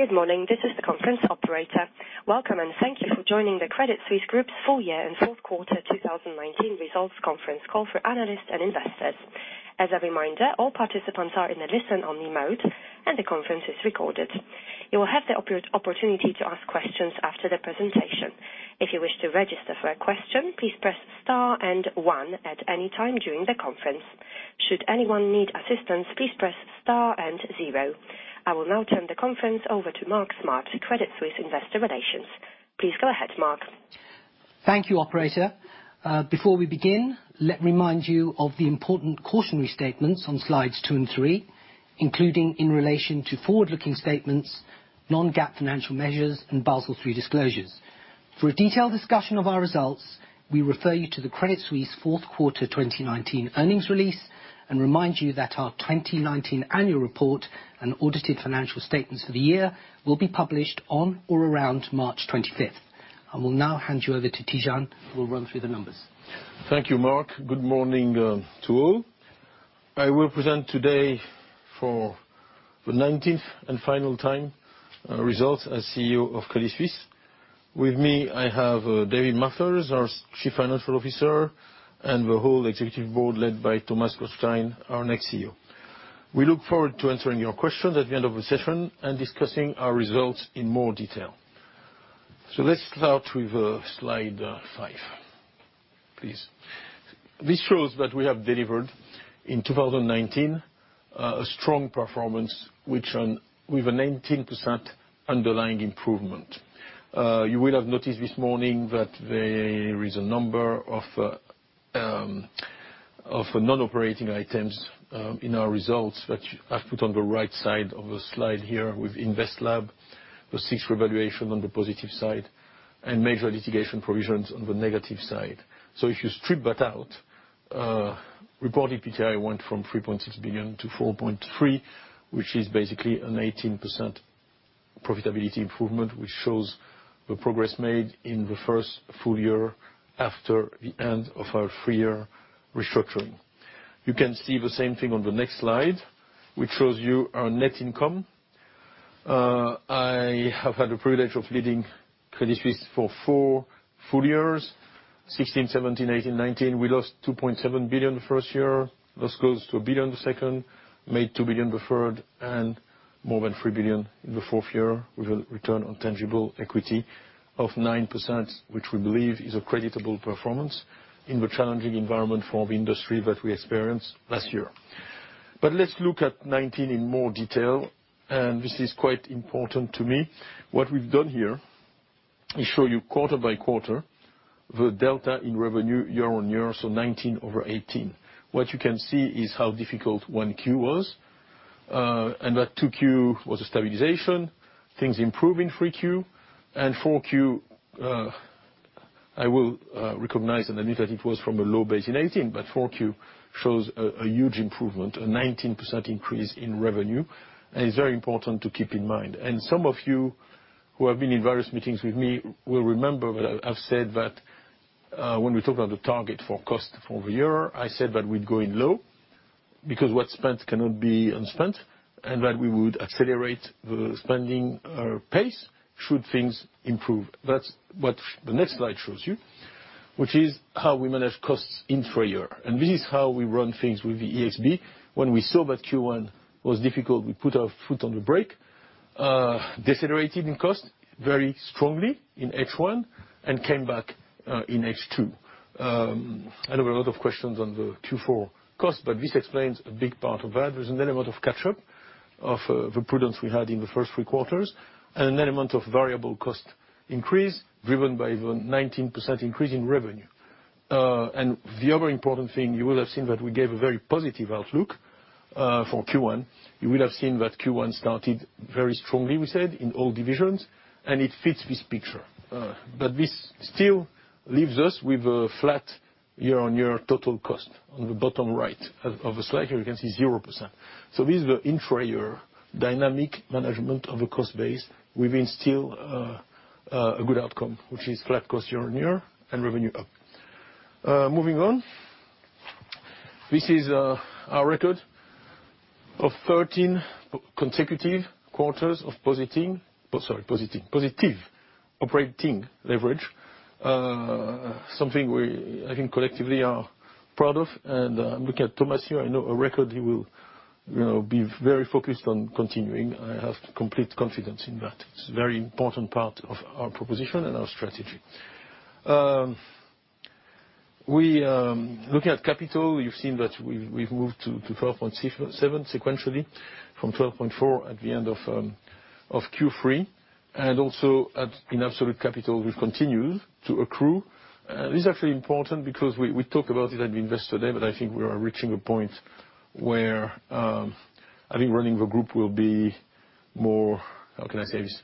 Good morning. This is the conference operator. Welcome, and thank you for joining the Credit Suisse Group's full year and fourth quarter 2019 results conference call for analysts and investors. As a reminder, all participants are in a listen-only mode, and the conference is recorded. You will have the opportunity to ask questions after the presentation. If you wish to register for a question, please press star and One at any time during the conference. Should anyone need assistance, please press star and Zero. I will now turn the conference over to Mark Smart, Credit Suisse Investor Relations. Please go ahead, Mark. Thank you, operator. Before we begin, let me remind you of the important cautionary statements on slides two and three, including in relation to forward-looking statements, non-GAAP financial measures, and Basel III disclosures. For a detailed discussion of our results, we refer you to the Credit Suisse fourth quarter 2019 earnings release and remind you that our 2019 annual report and audited financial statements for the year will be published on or around March 25th. I will now hand you over to Tidjane, who will run through the numbers. Thank you, Mark. Good morning to all. I will present today for the 19th and final time results as CEO of Credit Suisse. With me, I have David Mathers, our Chief Financial Officer, and the whole executive board led by Thomas Gottstein, our next CEO. We look forward to answering your questions at the end of the session and discussing our results in more detail. Let's start with slide five, please. This shows that we have delivered in 2019 a strong performance with a 19% underlying improvement. You will have noticed this morning that there is a number of non-operating items in our results, which I've put on the right side of the slide here with InvestLab, the SIX revaluation on the positive side, and major litigation provisions on the negative side. If you strip that out, reported PTI went from 3.6 billion to 4.3 billion, which is basically an 18% profitability improvement, which shows the progress made in the first full year after the end of our three-year restructuring. You can see the same thing on the next slide, which shows you our net income. I have had the privilege of leading Credit Suisse for four full years, 2016, 2017, 2018, 2019. We lost 2.7 billion the first year, lost close to 1 billion the second, made 2 billion the third, and more than 3 billion in the fourth year with a return on tangible equity of 9%, which we believe is a creditable performance in the challenging environment for the industry that we experienced last year. Let's look at 2019 in more detail, and this is quite important to me. What we've done here is show you quarter by quarter the delta in revenue year-on-year, so 2019 over 2018. What you can see is how difficult 1Q was, and that 2Q was a stabilization. Things improve in 3Q. 4Q, I will recognize and admit that it was from a low base in 2018, but 4Q shows a huge improvement, a 19% increase in revenue, and it's very important to keep in mind. Some of you who have been in various meetings with me will remember that I've said that when we talk about the target for cost for the year, I said that we'd go in low because what's spent cannot be unspent, and that we would accelerate the spending pace should things improve. That's what the next slide shows you, which is how we manage costs in full year. This is how we run things with the ExB. When we saw that Q1 was difficult, we put our foot on the brake, decelerated in cost very strongly in H1, and came back in H2. I know there are a lot of questions on the Q4 costs, but this explains a big part of that. There's an element of catch-up of the prudence we had in the first three quarters and an element of variable cost increase driven by the 19% increase in revenue. The other important thing, you will have seen that we gave a very positive outlook for Q1. You will have seen that Q1 started very strongly, we said, in all divisions, and it fits this picture. This still leaves us with a flat year-on-year total cost on the bottom right of the slide here, you can see 0%. This is the intra year dynamic management of a cost base with still a good outcome, which is flat cost year-over-year and revenue up. Moving on. This is our record of 13 consecutive quarters of positive operating leverage. Something we, I think, collectively are proud of, and I'm looking at Thomas here. I know a record he will be very focused on continuing. I have complete confidence in that. It's a very important part of our proposition and our strategy. Looking at capital, you've seen that we've moved to 12.7 sequentially from 12.4 at the end of Q3, and also in absolute capital, we've continued to accrue. This is actually important because we talk about it at Investor Day, but I think we are reaching a point where I think running the group will be more, how can I say this?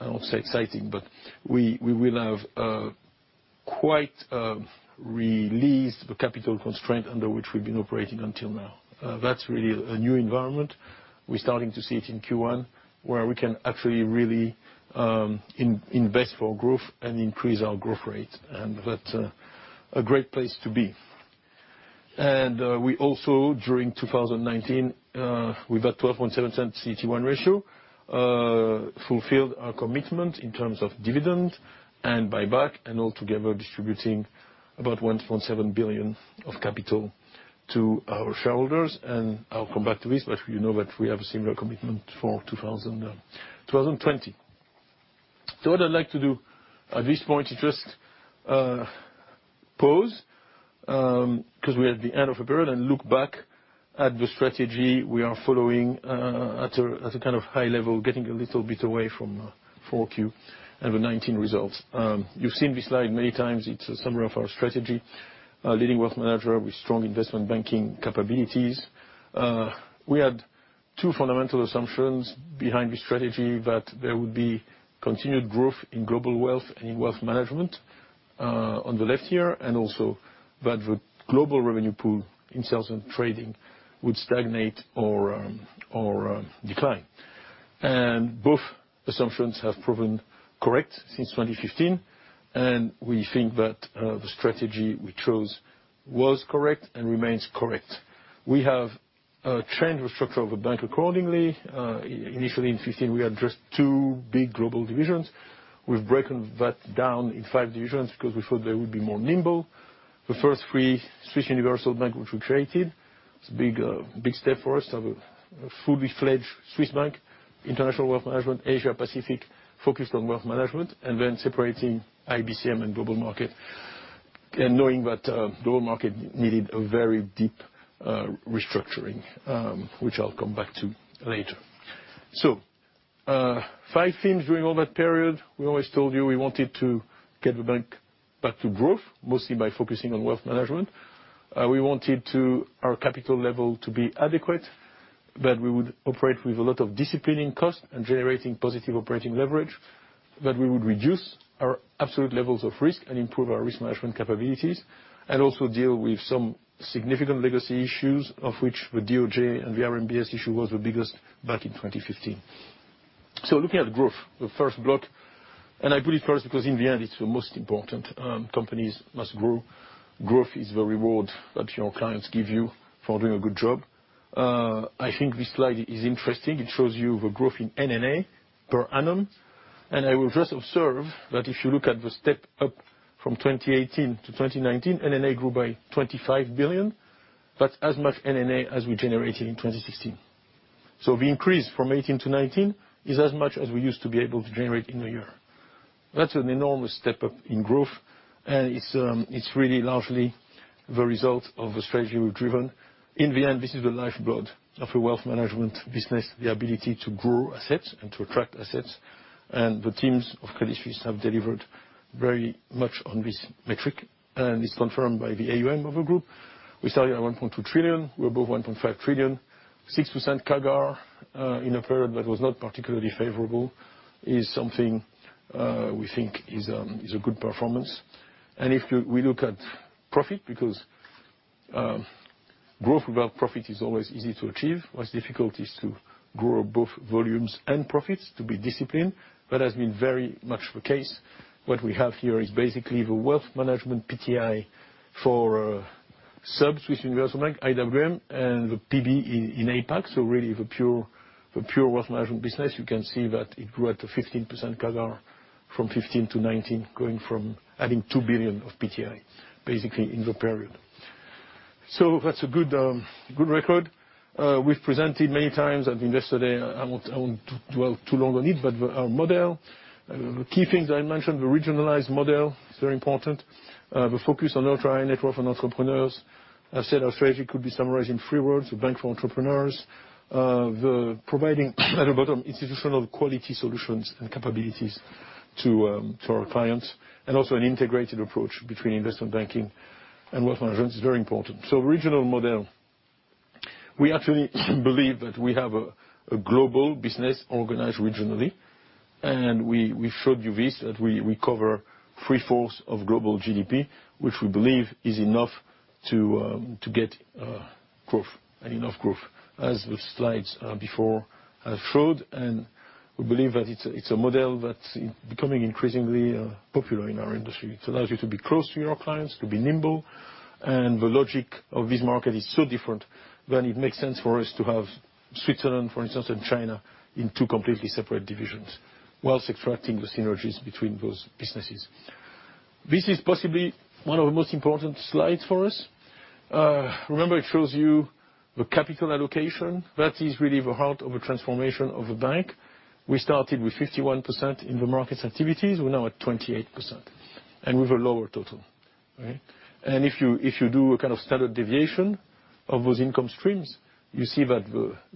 I won't say exciting, but we will have quite released the capital constraint under which we've been operating until now. That's really a new environment. We're starting to see it in Q1, where we can actually really invest for growth and increase our growth rate. That's a great place to be. We also, during 2019, with that 12.7% CET1 ratio, fulfilled our commitment in terms of dividend and buyback, altogether distributing about 1.7 billion of capital to our shareholders. I'll come back to this, but you know that we have a similar commitment for 2020. What I'd like to do at this point is just pause, because we're at the end of a period, and look back at the strategy we are following at a high level, getting a little bit away from 4Q and the 2019 results. You've seen this slide many times. It's a summary of our strategy, a leading wealth manager with strong Investment Banking capabilities. We had two fundamental assumptions behind this strategy, that there would be continued growth in global wealth and in wealth management, on the left here, and also that the global revenue pool in sales and trading would stagnate or decline. Both assumptions have proven correct since 2015, and we think that the strategy we chose was correct and remains correct. We have changed the structure of the bank accordingly. Initially, in 2015, we had just two big global divisions. We've broken that down in five divisions because we thought they would be more nimble. The first three, Swiss Universal Bank, which we created. It's a big step for us to have a fully-fledged Swiss bank. International Wealth Management, Asia-Pacific, focused on wealth management, separating IBCM and Global Markets, knowing that Global Markets needed a very deep restructuring, which I'll come back to later. Five themes during all that period. We always told you we wanted to get the bank back to growth, mostly by focusing on wealth management. We wanted our capital level to be adequate, that we would operate with a lot of discipline in cost and generating positive operating leverage, that we would reduce our absolute levels of risk and improve our risk management capabilities, also deal with some significant legacy issues, of which the DOJ and the RMBS issue was the biggest back in 2015. Looking at growth, the first block, I put it first because in the end, it's the most important. Companies must grow. Growth is the reward that your clients give you for doing a good job. I think this slide is interesting. It shows you the growth in NNA per annum. I would just observe that if you look at the step up from 2018 to 2019, NNA grew by 25 billion. That's as much NNA as we generated in 2016. The increase from 2018 to 2019 is as much as we used to be able to generate in a year. That's an enormous step up in growth, and it's really largely the result of a strategy we've driven. In the end, this is the lifeblood of a wealth management business, the ability to grow assets and to attract assets. The teams of Credit Suisse have delivered very much on this metric, and it's confirmed by the AUM of a group. We started at 1.2 trillion, we're above 1.5 trillion, 6% CAGR, in a period that was not particularly favorable, is something we think is a good performance. If we look at profit, because growth without profit is always easy to achieve. What's difficult is to grow both volumes and profits, to be disciplined. That has been very much the case. What we have here is basically the wealth management PTI for Swiss Universal Bank, IWM, and the PB in APAC, so really the pure wealth management business. You can see that it grew at a 15% CAGR from 2015 to 2019, going from adding 2 billion of PTI, basically, in the period. That's a good record. We've presented many times, I think yesterday, I won't dwell too long on it, but our model. The key things I mentioned, the regionalized model is very important. The focus on Ultra High Net Worth and entrepreneurs. I've said our strategy could be summarized in three words, a bank for entrepreneurs. The providing, at the bottom, institutional quality solutions and capabilities to our clients, and also an integrated approach between investment banking and wealth management is very important. Regional model. We actually believe that we have a global business organized regionally, and we showed you this, that we cover three-fourths of global GDP, which we believe is enough to get growth, enough growth, as the slides before have showed. We believe that it's a model that's becoming increasingly popular in our industry. It allows you to be close to your clients, to be nimble. The logic of this market is so different than it makes sense for us to have Switzerland, for instance, and China in two completely separate divisions, whilst extracting the synergies between those businesses. This is possibly one of the most important slides for us. Remember, it shows you the capital allocation. That is really the heart of a transformation of a bank. We started with 51% in the markets activities. We are now at 28%, and with a lower total. If you do a standard deviation of those income streams, you see that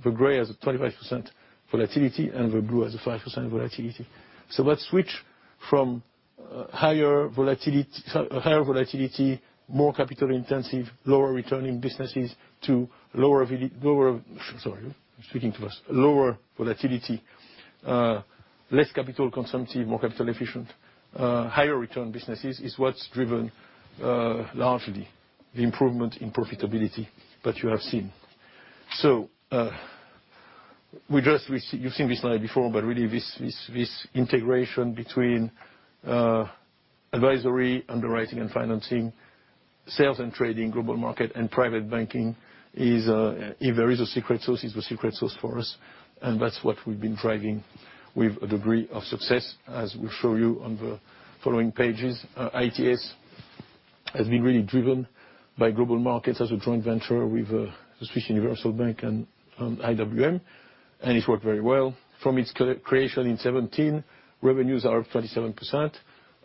the gray has a 25% volatility and the blue has a 5% volatility. That switch from higher volatility, more capital intensive, lower returning businesses to lower volatility, less capital consumptive, more capital efficient, higher return businesses is what is driven largely the improvement in profitability that you have seen. Sorry, I am speaking too fast. You've seen this slide before, but really, this integration between advisory, underwriting and financing, sales and trading, Global Markets and private banking is, if there is a secret sauce, is the secret sauce for us, and that's what we've been driving with a degree of success, as we'll show you on the following pages. ITS has been really driven by Global Markets as a joint venture with the Swiss Universal Bank and IWM, and it's worked very well. From its creation in 2017, revenues are up 27%,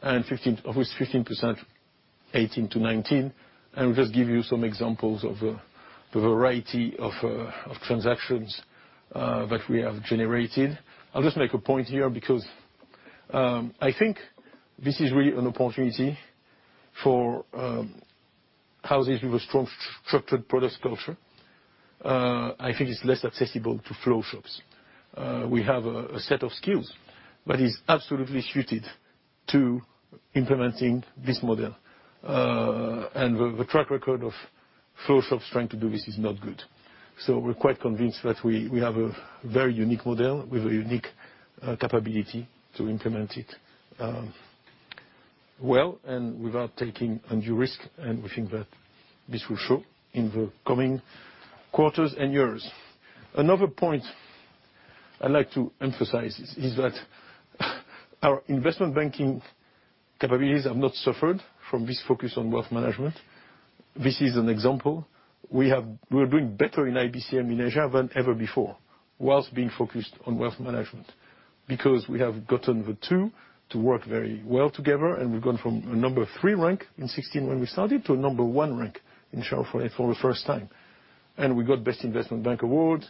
and of which 15%, 2018 to 2019. We'll just give you some examples of the variety of transactions that we have generated. I'll just make a point here because I think this is really an opportunity for houses with a strong structured products culture. I think it's less accessible to flow shops. We have a set of skills that is absolutely suited to implementing this model, and the track record of flow shops trying to do this is not good. We're quite convinced that we have a very unique model with a unique capability to implement it well and without taking undue risk, and we think that this will show in the coming quarters and years. Another point I'd like to emphasize is that our investment banking capabilities have not suffered from this focus on wealth management. This is an example. We're doing better in IBCM in Asia than ever before, whilst being focused on wealth management, because we have gotten the two to work very well together, and we've gone from a number three rank in 2016 when we started to a number 1 rank in share of wallet for the first time. We got Best Investment Bank Award.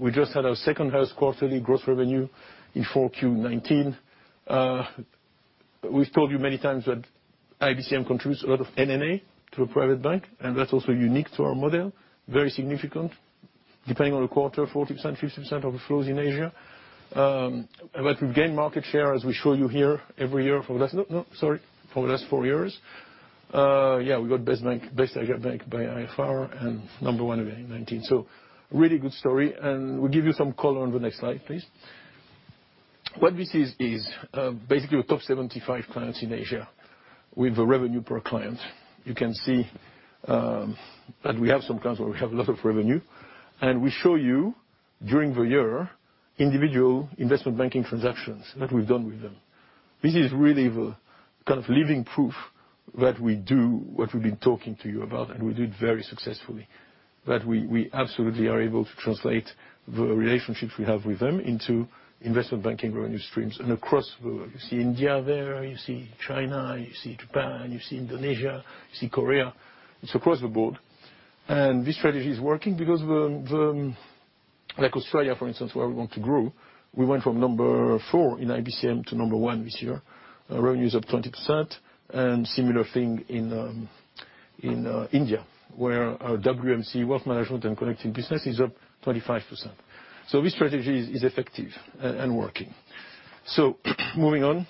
We just had our second-highest quarterly gross revenue in 4Q 2019. We've told you many times that IBCM contributes a lot of NNA to a private bank, and that's also unique to our model, very significant, depending on the quarter, 40%, 50% of the flows in Asia. We've gained market share, as we show you here every year for the last four years. We got Best Asia Bank by IFR and number one again 2019. Really good story, and we'll give you some color on the next slide, please. What this is is basically your top 75 clients in Asia with the revenue per client. You can see that we have some clients where we have a lot of revenue, and we show you, during the year, individual investment banking transactions that we've done with them. This is really the living proof that we do what we've been talking to you about, and we do it very successfully, that we absolutely are able to translate the relationships we have with them into Investment Banking revenue streams and across the world. You see India there, you see China, you see Japan, you see Indonesia, you see Korea. It's across the board. This strategy is working because like Australia, for instance, where we want to grow, we went from number four in IBCM to number one this year. Revenue is up 20%, and similar thing in India, where our WMC, wealth management and connecting business, is up 25%. This strategy is effective and working. Moving on,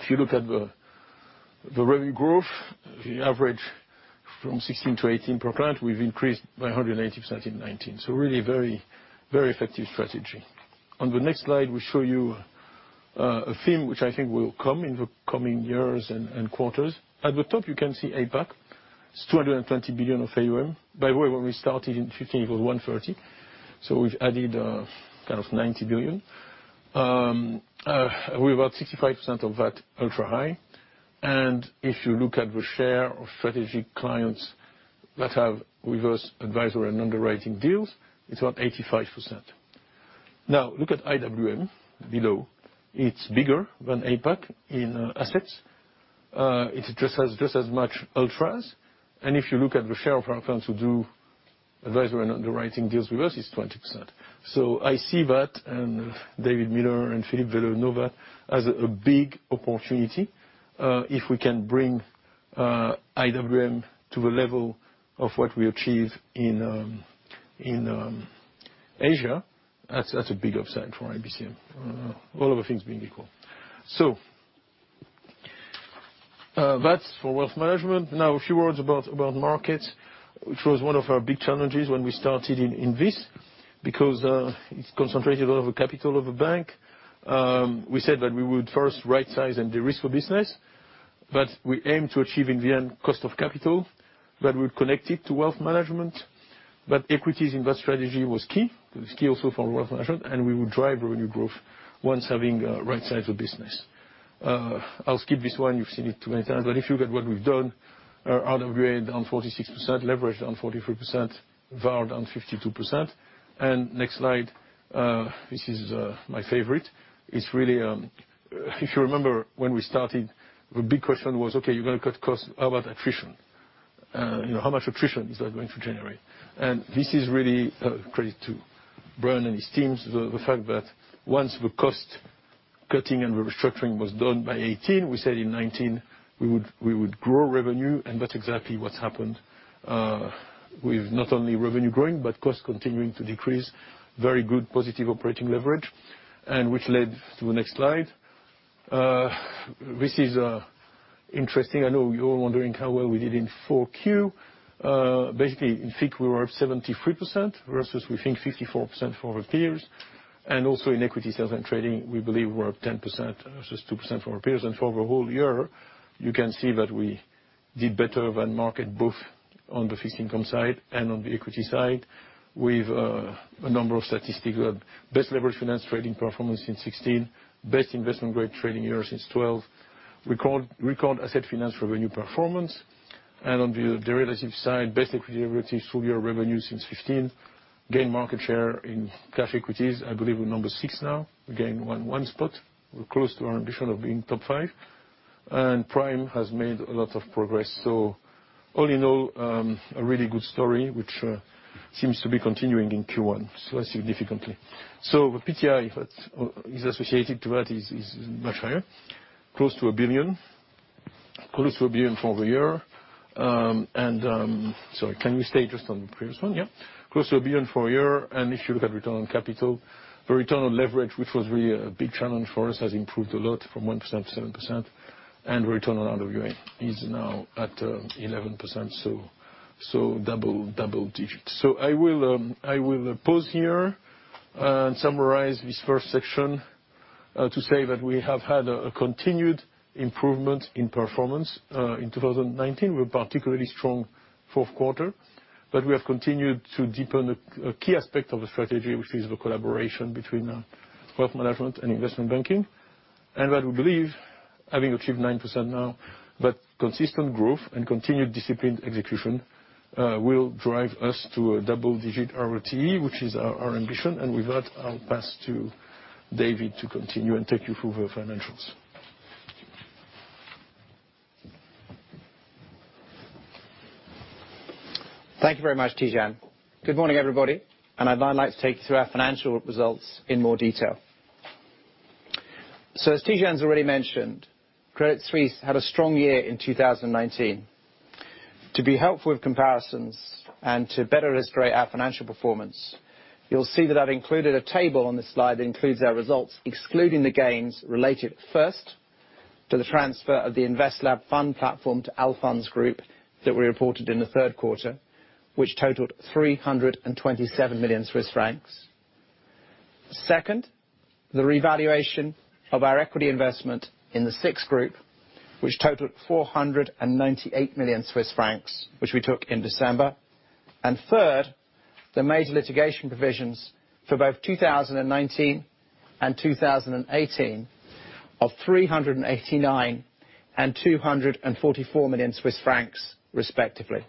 if you look at the revenue growth, the average from 2016 to 2018 per client, we've increased by 180% in 2019. Really very effective strategy. On the next slide, we show you a theme which I think will come in the coming years and quarters. At the top, you can see APAC. It's 220 billion of AUM. By the way, when we started in 2015, it was 130 billion. We've added 90 billion. With about 65% of that ultra high. If you look at the share of strategic clients that have reverse advisory and underwriting deals, it's about 85%. Now, look at IWM below. It's bigger than APAC in assets. It's just as much ultras. If you look at the share of our clients who do advisory and underwriting deals with us, it's 20%. I see that, and David Miller and Philipp Wehle know that, as a big opportunity. If we can bring IWM to the level of what we achieve in Asia, that's a big upside for IBCM. All other things being equal. That's for Wealth Management. Now, a few words about Global Markets, which was one of our big challenges when we started in this, because it's concentrated a lot of the capital of a bank. We said that we would first rightsize and de-risk the business, but we aim to achieve, in the end, cost of capital that we connected to Wealth Management. Equities in that strategy was key also for Wealth Management, and we would drive revenue growth once having rightsized the business. I'll skip this one. You've seen it too many times. If you look at what we've done, RWA down 46%, leverage down 43%, VaR down 52%. Next slide, this is my favorite. If you remember when we started, the big question was, "Okay, you're going to cut costs. How about attrition? How much attrition is that going to generate? This is really a credit to Brian and his teams, the fact that once the cost-cutting and restructuring was done by 2018, we said in 2019 we would grow revenue, that's exactly what's happened, with not only revenue growing but costs continuing to decrease. Very good, positive operating leverage, which led to the next slide. This is interesting. I know you're wondering how well we did in 4Q. Basically, in FICC, we were up 73% versus, we think, 54% for our peers. Also in equity sales and trading, we believe we're up 10% versus 2% for our peers. For the whole year, you can see that we did better than market, both on the fixed income side and on the equity side. We've a number of statistics. Best leveraged finance trading performance since 2016. Best investment-grade trading year since 2012. Record asset finance revenue performance. On the derivatives side, best equity derivatives full-year revenue since 2015. Gained market share in cash equities. I believe we're number 6 now. We gained one spot. We're close to our ambition of being top 5. Prime has made a lot of progress. All in all, a really good story, which seems to be continuing in Q1 significantly. The PTI that is associated to that is much higher, close to 1 billion for the year. Sorry, can we stay just on the previous one? Yeah. Close to 1 billion for a year, and if you look at return on capital, the return on leverage, which was really a big challenge for us, has improved a lot from 1% to 7%. Return on RWA is now at 11%, so double digits. I will pause here and summarize this first section to say that we have had a continued improvement in performance in 2019, with a particularly strong fourth quarter. We have continued to deepen a key aspect of the strategy, which is the collaboration between wealth management and investment banking. That we believe, having achieved 9% now, that consistent growth and continued disciplined execution will drive us to a double-digit ROTE, which is our ambition. With that, I'll pass to David to continue and take you through the financials. Thank you very much, Tidjane. Good morning, everybody. I'd now like to take you through our financial results in more detail. As Tidjane's already mentioned, Credit Suisse had a strong year in 2019. To be helpful with comparisons and to better illustrate our financial performance, you will see that I have included a table on this slide that includes our results, excluding the gains related first to the transfer of the InvestLab fund platform to Allfunds Group that we reported in the third quarter, which totaled 327 million Swiss francs. Second, the revaluation of our equity investment in the SIX Group, which totaled 498 million Swiss francs, which we took in December. Third, the major litigation provisions for both 2019 and 2018 of 389 million and 244 million Swiss francs, respectively.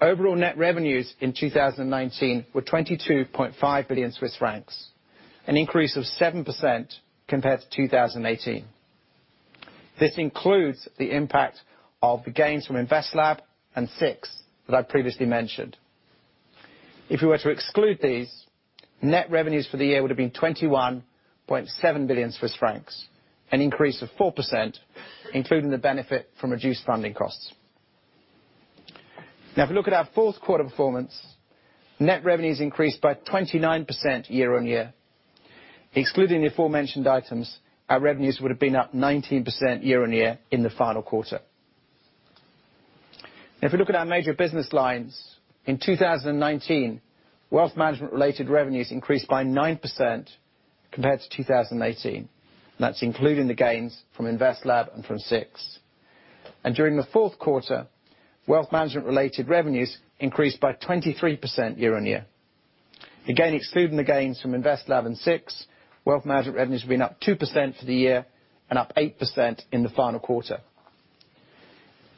Overall net revenues in 2019 were 22.5 billion Swiss francs, an increase of 7% compared to 2018. This includes the impact of the gains from InvestLab and SIX that I previously mentioned. If we were to exclude these, net revenues for the year would have been 21.7 billion Swiss francs, an increase of 4%, including the benefit from reduced funding costs. If you look at our fourth quarter performance, net revenues increased by 29% year-on-year. Excluding the aforementioned items, our revenues would have been up 19% year-on-year in the final quarter. If we look at our major business lines, in 2019, wealth management-related revenues increased by 9% compared to 2018. That's including the gains from InvestLab and from SIX. During the fourth quarter, wealth management-related revenues increased by 23% year-on-year. Again, excluding the gains from InvestLab and SIX, wealth management revenues have been up 2% for the year and up 8% in the final quarter.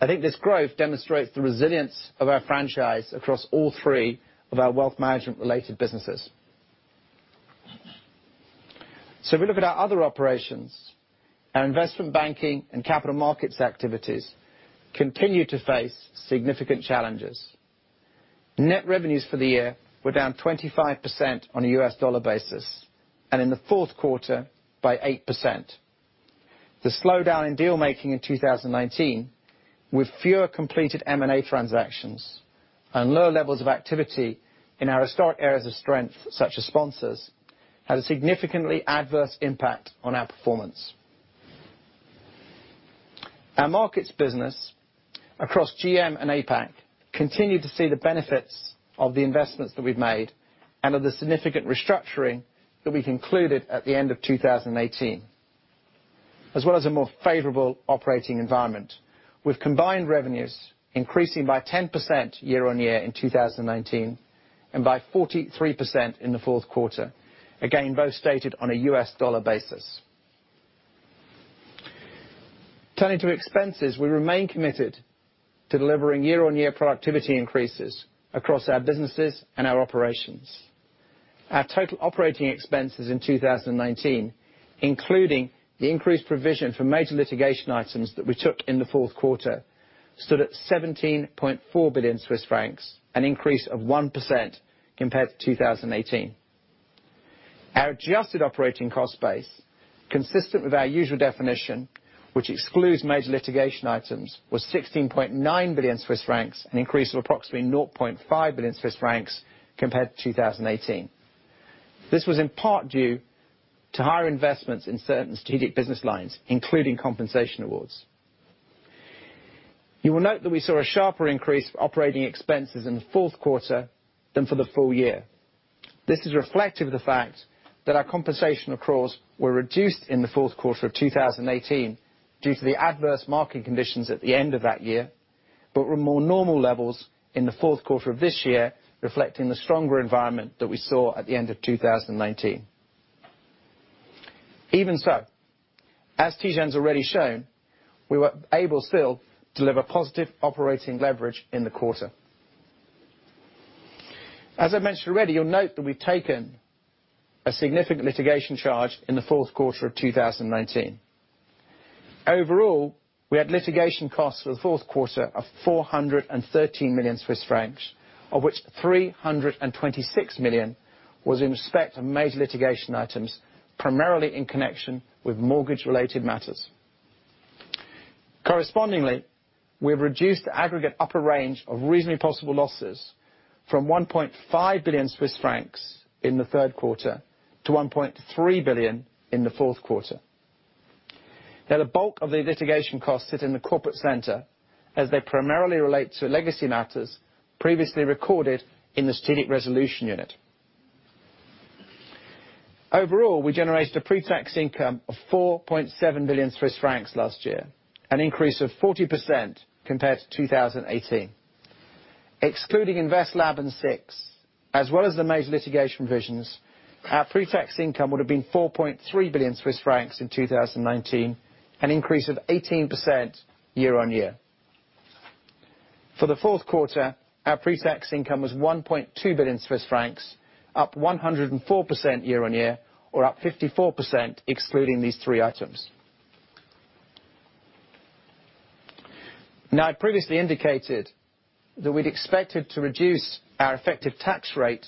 I think this growth demonstrates the resilience of our franchise across all three of our wealth management-related businesses. If we look at our other operations, our Investment Banking and Capital Markets activities continue to face significant challenges. Net revenues for the year were down 25% on a USD basis, and in the fourth quarter, by 8%. The slowdown in deal-making in 2019, with fewer completed M&A transactions and lower levels of activity in our historic areas of strength, such as sponsors, had a significantly adverse impact on our performance. Our markets business across GM and APAC continue to see the benefits of the investments that we've made and of the significant restructuring that we concluded at the end of 2018, as well as a more favorable operating environment, with combined revenues increasing by 10% year-on-year in 2019 and by 43% in the fourth quarter. Again, both stated on a U.S. dollar basis. Turning to expenses, we remain committed to delivering year-on-year productivity increases across our businesses and our operations. Our total operating expenses in 2019, including the increased provision for major litigation items that we took in the fourth quarter, stood at 17.4 billion Swiss francs, an increase of 1% compared to 2018. Our adjusted operating cost base, consistent with our usual definition, which excludes major litigation items, was 16.9 billion Swiss francs, an increase of approximately 0.5 billion Swiss francs compared to 2018. This was in part due to higher investments in certain strategic business lines, including compensation awards. You will note that we saw a sharper increase of operating expenses in the fourth quarter than for the full year. This is reflective of the fact that our compensation accruals were reduced in the fourth quarter of 2018 due to the adverse market conditions at the end of that year, but were more normal levels in the fourth quarter of this year, reflecting the stronger environment that we saw at the end of 2019. Even so, as Tidjane's already shown, we were able still deliver positive operating leverage in the quarter. As I mentioned already, you'll note that we've taken a significant litigation charge in the fourth quarter of 2019. Overall, we had litigation costs for the fourth quarter of 413 million Swiss francs, of which 326 million was in respect of major litigation items, primarily in connection with mortgage-related matters. Correspondingly, we've reduced the aggregate upper range of reasonably possible losses from 1.5 billion Swiss francs in the third quarter to 1.3 billion in the fourth quarter. The bulk of the litigation costs sit in the Corporate Center as they primarily relate to legacy matters previously recorded in the Strategic Resolution Unit. Overall we generated a pre-tax income of 4.7 billion Swiss francs last year, an increase of 40% compared to 2018. Excluding InvestLab and SIX, as well as the major litigation provisions, our pre-tax income would've been 4.3 billion Swiss francs in 2019, an increase of 18% year-on-year. For the fourth quarter, our pre-tax income was 1.2 billion Swiss francs, up 104% year-on-year or up 54% excluding these three items. I previously indicated that we'd expected to reduce our effective tax rate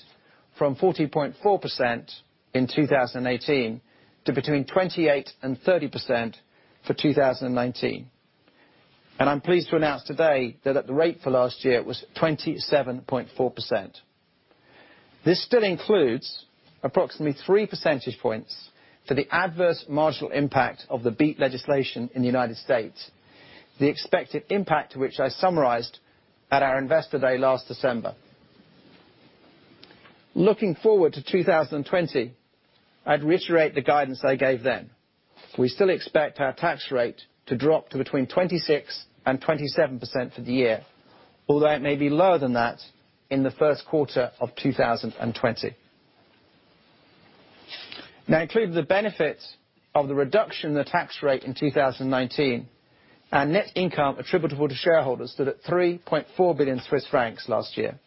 from 40.4% in 2018 to between 28% and 30% for 2019. I'm pleased to announce today that the rate for last year was 27.4%. This still includes approximately 3 percentage points for the adverse marginal impact of the BEAT legislation in the U.S., the expected impact to which I summarized at our Investor Day last December. Looking forward to 2020, I'd reiterate the guidance I gave then. We still expect our tax rate to drop to between 26% and 27% for the year, although it may be lower than that in the first quarter of 2020. Including the benefits of the reduction in the tax rate in 2019, our net income attributable to shareholders stood at 3.4 billion Swiss francs last year,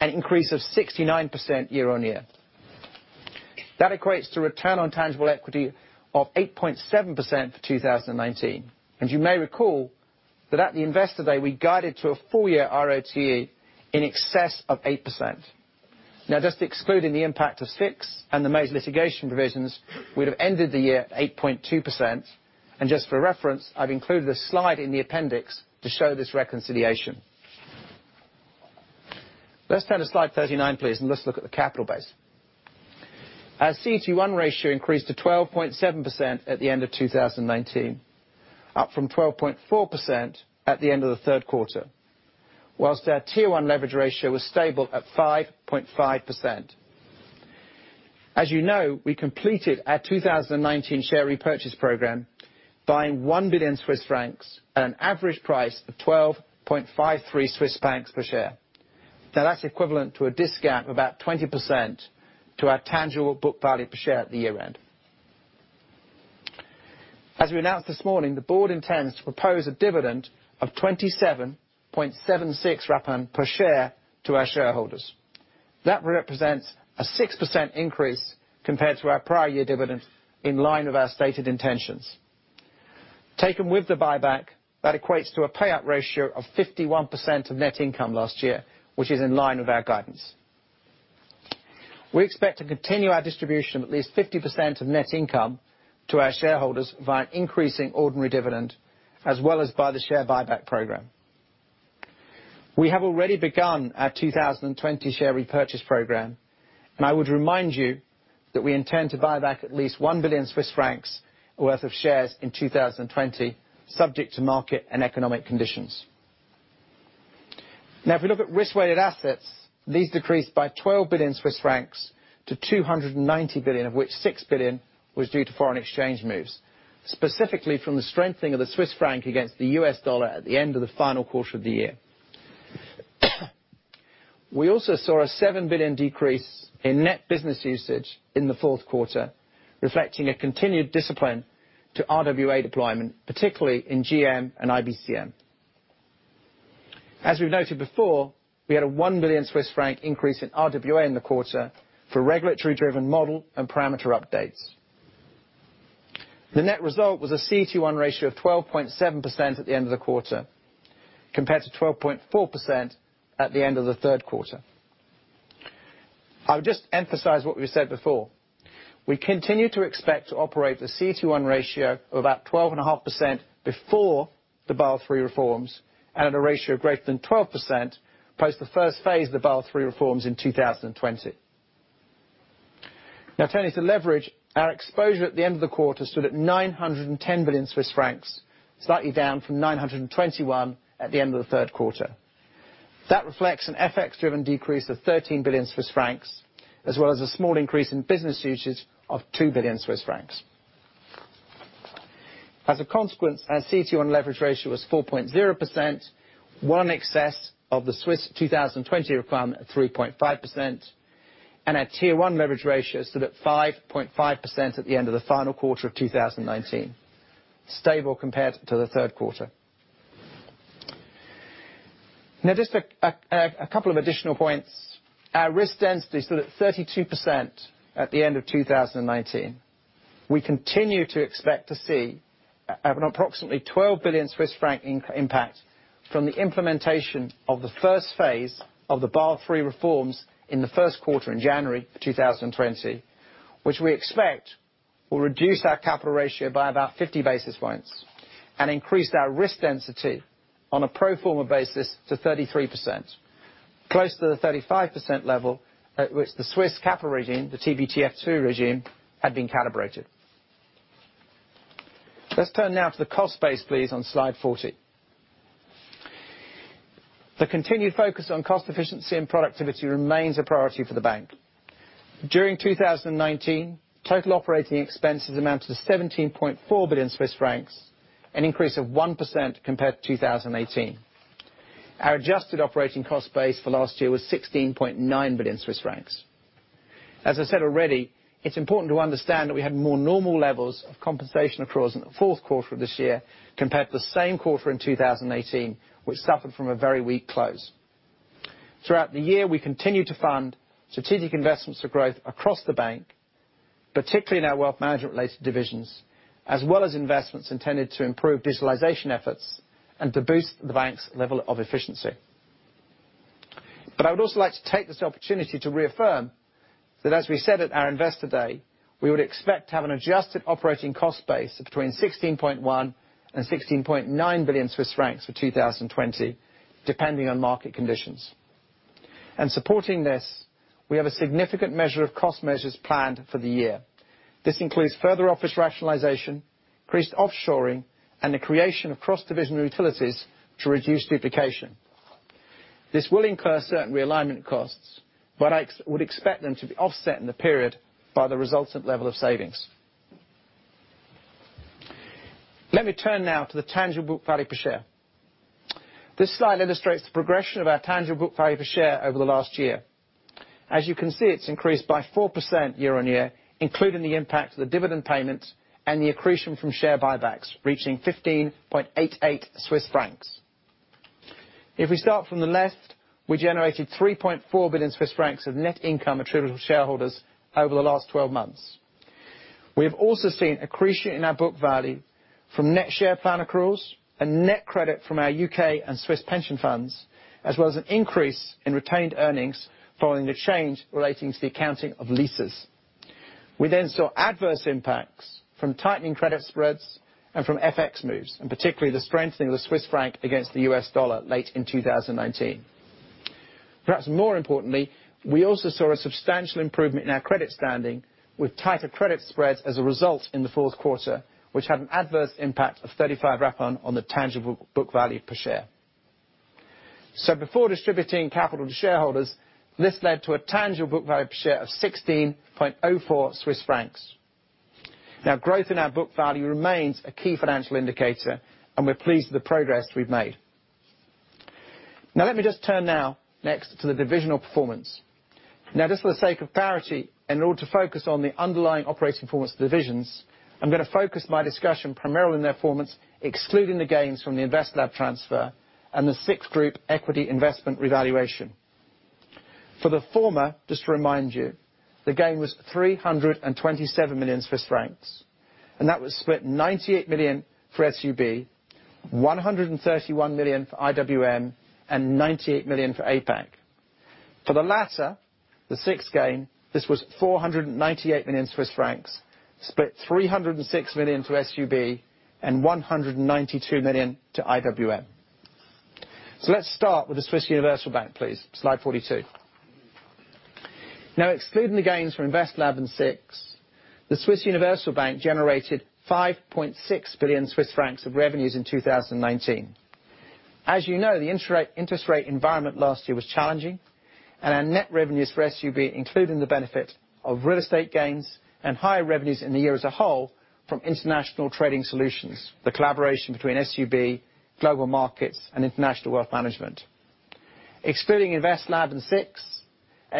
an increase of 69% year-on-year. That equates to return on tangible equity of 8.7% for 2019. You may recall that at the Investor Day, we guided to a full year ROTE in excess of 8%. Just excluding the impact of SIX and the most litigation provisions, we'd have ended the year at 8.2%. Just for reference, I've included a slide in the appendix to show this reconciliation. Let's turn to slide 39, please, and let's look at the capital base. Our CET1 ratio increased to 12.7% at the end of 2019, up from 12.4% at the end of the third quarter. Whilst our Tier 1 leverage ratio was stable at 5.5%. As you know, we completed our 2019 share repurchase program, buying 1 billion Swiss francs at an average price of 12.53 Swiss francs per share. That's equivalent to a discount of about 20% to our tangible book value per share at the year end. As we announced this morning, the board intends to propose a dividend of 0.2776 per share to our shareholders. That represents a 6% increase compared to our prior year dividend in line with our stated intentions. Taken with the buyback, that equates to a payout ratio of 51% of net income last year, which is in line with our guidance. We expect to continue our distribution of at least 50% of net income to our shareholders via increasing ordinary dividend, as well as by the share buyback program. I would remind you that we intend to buy back at least 1 billion Swiss francs worth of shares in 2020, subject to market and economic conditions. If we look at risk-weighted assets, these decreased by 12 billion Swiss francs to 290 billion, of which 6 billion was due to foreign exchange moves, specifically from the strengthening of the Swiss franc against the USD at the end of the final quarter of the year. We also saw a 7 billion decrease in net business usage in the fourth quarter, reflecting a continued discipline to RWA deployment, particularly in GM and IBCM. As we've noted before, we had a 1 billion Swiss franc increase in RWA in the quarter for regulatory driven model and parameter updates. The net result was a CET1 ratio of 12.7% at the end of the quarter, compared to 12.4% at the end of the third quarter. I would just emphasize what we've said before. We continue to expect to operate the CET1 ratio of about 12.5% before the Basel III reforms and at a ratio of greater than 12% post the first phase of the Basel III reforms in 2020. Turning to leverage, our exposure at the end of the quarter stood at 910 billion Swiss francs, slightly down from 921 billion at the end of the third quarter. That reflects an FX-driven decrease of 13 billion Swiss francs, as well as a small increase in business usage of 2 billion Swiss francs. As a consequence, our CET1 leverage ratio was 4.0%, well in excess of the Swiss 2020 requirement of 3.5%, and our Tier 1 leverage ratio stood at 5.5% at the end of the final quarter of 2019, stable compared to the third quarter. Just a couple of additional points. Our risk density stood at 32% at the end of 2019. We continue to expect to see an approximately 12 billion Swiss franc impact from the implementation of the first phase of the Basel III reforms in the first quarter in January 2020, which we expect will reduce our capital ratio by about 50 basis points and increase our risk density on a pro forma basis to 33%, close to the 35% level at which the Swiss capital regime, the TBTF 2 regime, had been calibrated. Let's turn now to the cost base, please, on Slide 40. The continued focus on cost efficiency and productivity remains a priority for the bank. During 2019, total operating expenses amounted to 17.4 billion Swiss francs, an increase of 1% compared to 2018. Our adjusted operating cost base for last year was 16.9 billion Swiss francs. As I said already, it's important to understand that we had more normal levels of compensation accruals in the fourth quarter of this year compared to the same quarter in 2018, which suffered from a very weak close. Throughout the year, we continued to fund strategic investments for growth across the bank, particularly in our wealth management-related divisions, as well as investments intended to improve digitalization efforts and to boost the bank's level of efficiency. I would also like to take this opportunity to reaffirm that as we said at our Investor Day, we would expect to have an adjusted operating cost base of between 16.1 billion-16.9 billion Swiss francs for 2020, depending on market conditions. Supporting this, we have a significant measure of cost measures planned for the year. This includes further office rationalization, increased offshoring, and the creation of cross-division utilities to reduce duplication. This will incur certain realignment costs. I would expect them to be offset in the period by the resultant level of savings. Let me turn now to the tangible book value per share. This slide illustrates the progression of our tangible book value per share over the last year. As you can see, it's increased by 4% year-on-year, including the impact of the dividend payment and the accretion from share buybacks, reaching 15.88 Swiss francs. If we start from the left, we generated 3.4 billion Swiss francs of net income attributable to shareholders over the last 12 months. We have also seen accretion in our book value from net share plan accruals and net credit from our U.K. and Swiss pension funds, as well as an increase in retained earnings following the change relating to the accounting of leases. We saw adverse impacts from tightening credit spreads and from FX moves, and particularly the strengthening of the Swiss franc against the US dollar late in 2019. Perhaps more importantly, we also saw a substantial improvement in our credit standing with tighter credit spreads as a result in the fourth quarter, which had an adverse impact of 0.35 on the tangible book value per share. Before distributing capital to shareholders, this led to a tangible book value per share of 16.04 Swiss francs. Growth in our book value remains a key financial indicator, and we're pleased with the progress we've made. Let me just turn now next to the divisional performance. Just for the sake of parity, and in order to focus on the underlying operating performance of the divisions, I'm going to focus my discussion primarily on their performance, excluding the gains from the InvestLab transfer and the SIX Group equity investment revaluation. For the former, just to remind you, the gain was 327 million Swiss francs, that was split 98 million for SUB, 131 million for IWM, and 98 million for APAC. For the latter, the SIX gain, this was 498 million Swiss francs, split 306 million to SUB and 192 million to IWM. Let's start with the Swiss Universal Bank, please. Slide 42. Excluding the gains from InvestLab and SIX, the Swiss Universal Bank generated 5.6 billion Swiss francs of revenues in 2019. As you know, the interest rate environment last year was challenging, and our net revenues for SUB, including the benefit of real estate gains and higher revenues in the year as a whole from Asia Pacific Trading Solutions, the collaboration between SUB, Global Markets, and International Wealth Management. Excluding InvestLab and SIX,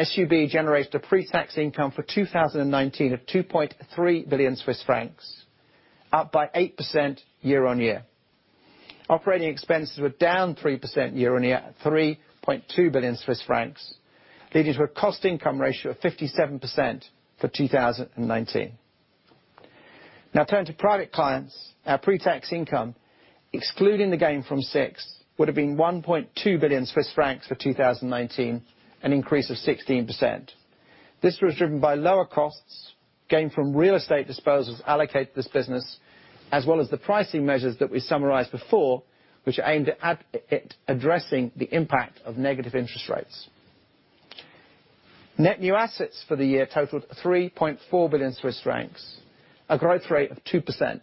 SUB generated a pre-tax income for 2019 of 2.3 billion Swiss francs, up by 8% year-on-year. Operating expenses were down 3% year-on-year at 3.2 billion Swiss francs, leading to a cost-income ratio of 57% for 2019. Turning to private clients, our pre-tax income, excluding the gain from SIX, would have been 1.2 billion Swiss francs for 2019, an increase of 16%. This was driven by lower costs. Gain from real estate disposals allocate this business, as well as the pricing measures that we summarized before, which are aimed at addressing the impact of negative interest rates. Net new assets for the year totaled 3.4 billion Swiss francs, a growth rate of 2%.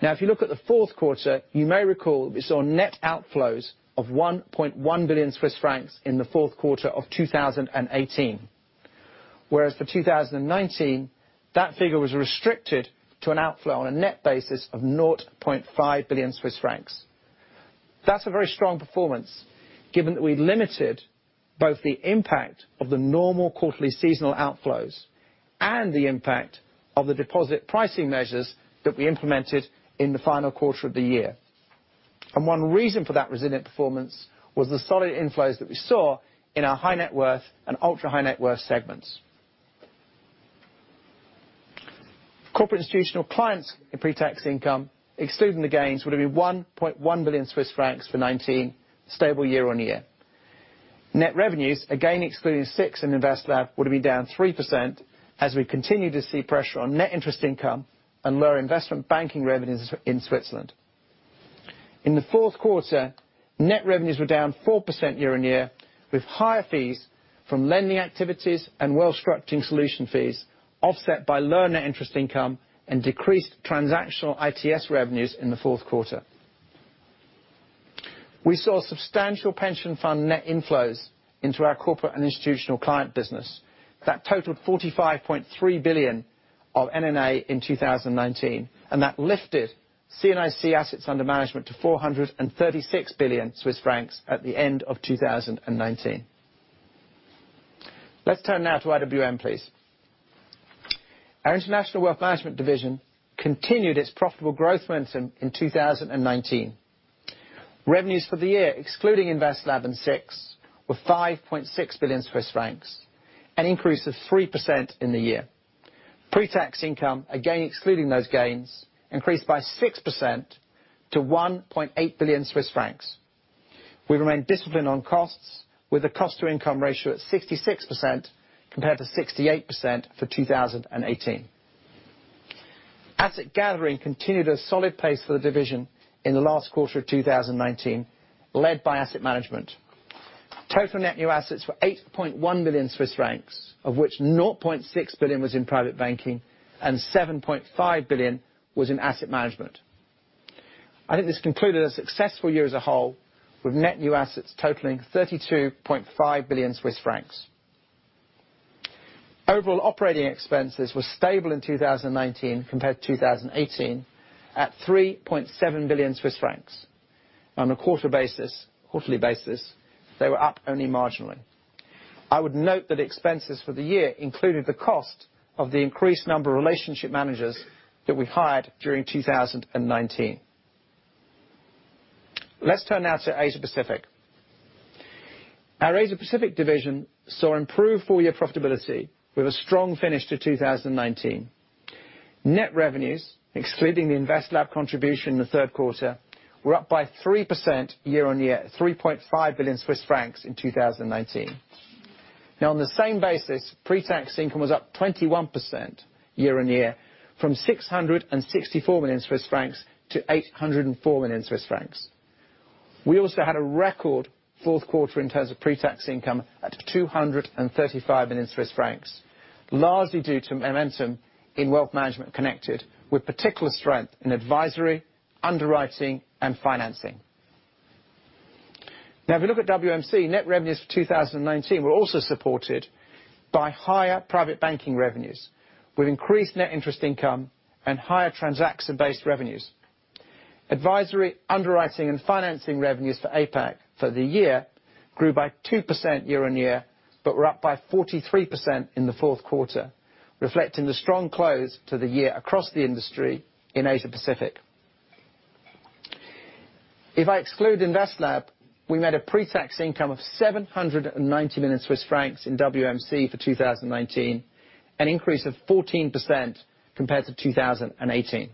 Now, if you look at the fourth quarter, you may recall we saw net outflows of 1.1 billion Swiss francs in the fourth quarter of 2018. Whereas for 2019, that figure was restricted to an outflow on a net basis of 0.5 billion Swiss francs. That's a very strong performance given that we limited both the impact of the normal quarterly seasonal outflows and the impact of the deposit pricing measures that we implemented in the final quarter of the year. One reason for that resilient performance was the solid inflows that we saw in our high net worth and ultra high net worth segments. Corporate and Institutional Clients in pre-tax income, excluding the gains, would have been 1.1 billion Swiss francs for 2019, stable year-on-year. Net revenues, again excluding SIX in InvestLab, would have been down 3% as we continue to see pressure on net interest income and lower investment banking revenues in Switzerland. In the fourth quarter, net revenues were down 4% year-on-year, with higher fees from lending activities and wealth structuring solution fees offset by lower net interest income and decreased transactional ITS revenues in the fourth quarter. We saw substantial pension fund net inflows into our Corporate & Institutional Clients business that totaled 45.3 billion of NNA in 2019, and that lifted C&IC assets under management to 436 billion Swiss francs at the end of 2019. Let's turn now to IWM, please. Our International Wealth Management division continued its profitable growth momentum in 2019. Revenues for the year excluding InvestLab and SIX were 5.6 billion Swiss francs, an increase of 3% in the year. Pre-tax income, again excluding those gains, increased by 6% to 1.8 billion Swiss francs. We remain disciplined on costs with the cost to income ratio at 66% compared to 68% for 2018. Asset gathering continued a solid pace for the division in the last quarter of 2019, led by asset management. Total net new assets were 8.1 billion Swiss francs, of which 0.6 billion was in private banking and 7.5 billion was in asset management. I think this concluded a successful year as a whole with net new assets totaling 32.5 billion Swiss francs. Overall operating expenses were stable in 2019 compared to 2018 at 3.7 billion Swiss francs. On a quarterly basis, they were up only marginally. I would note that expenses for the year included the cost of the increased number of relationship managers that we hired during 2019. Let's turn now to Asia Pacific. Our Asia Pacific division saw improved full year profitability with a strong finish to 2019. Net revenues, excluding the InvestLab contribution in the third quarter, were up by 3% year-on-year at 3.5 billion Swiss francs in 2019. On the same basis, pre-tax income was up 21% year-on-year from 664 million Swiss francs to 804 million Swiss francs. We also had a record fourth quarter in terms of pre-tax income at 235 million Swiss francs, largely due to momentum in wealth management connected with particular strength in advisory, underwriting, and financing. Now if you look at WMC, net revenues for 2019 were also supported by higher private banking revenues with increased net interest income and higher transaction-based revenues. Advisory, underwriting, and financing revenues for APAC for the year grew by 2% year-on-year, but were up by 43% in the fourth quarter, reflecting the strong close to the year across the industry in Asia-Pacific. If I exclude InvestLab, we made a pre-tax income of 790 million Swiss francs in WMC for 2019, an increase of 14% compared to 2018.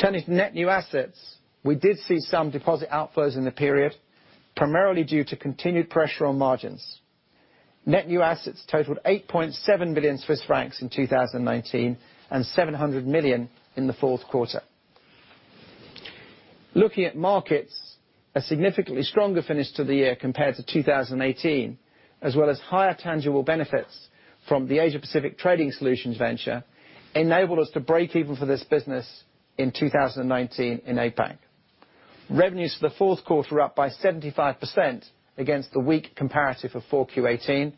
Turning to net new assets, we did see some deposit outflows in the period, primarily due to continued pressure on margins. Net new assets totaled 8.7 billion Swiss francs in 2019 and 700 million in the fourth quarter. Looking at markets, a significantly stronger finish to the year compared to 2018, as well as higher tangible benefits from the Asia Pacific Trading Solutions venture, enabled us to break even for this business in 2019 in APAC. Revenues for the fourth quarter were up by 75% against the weak comparative of 4Q 2018,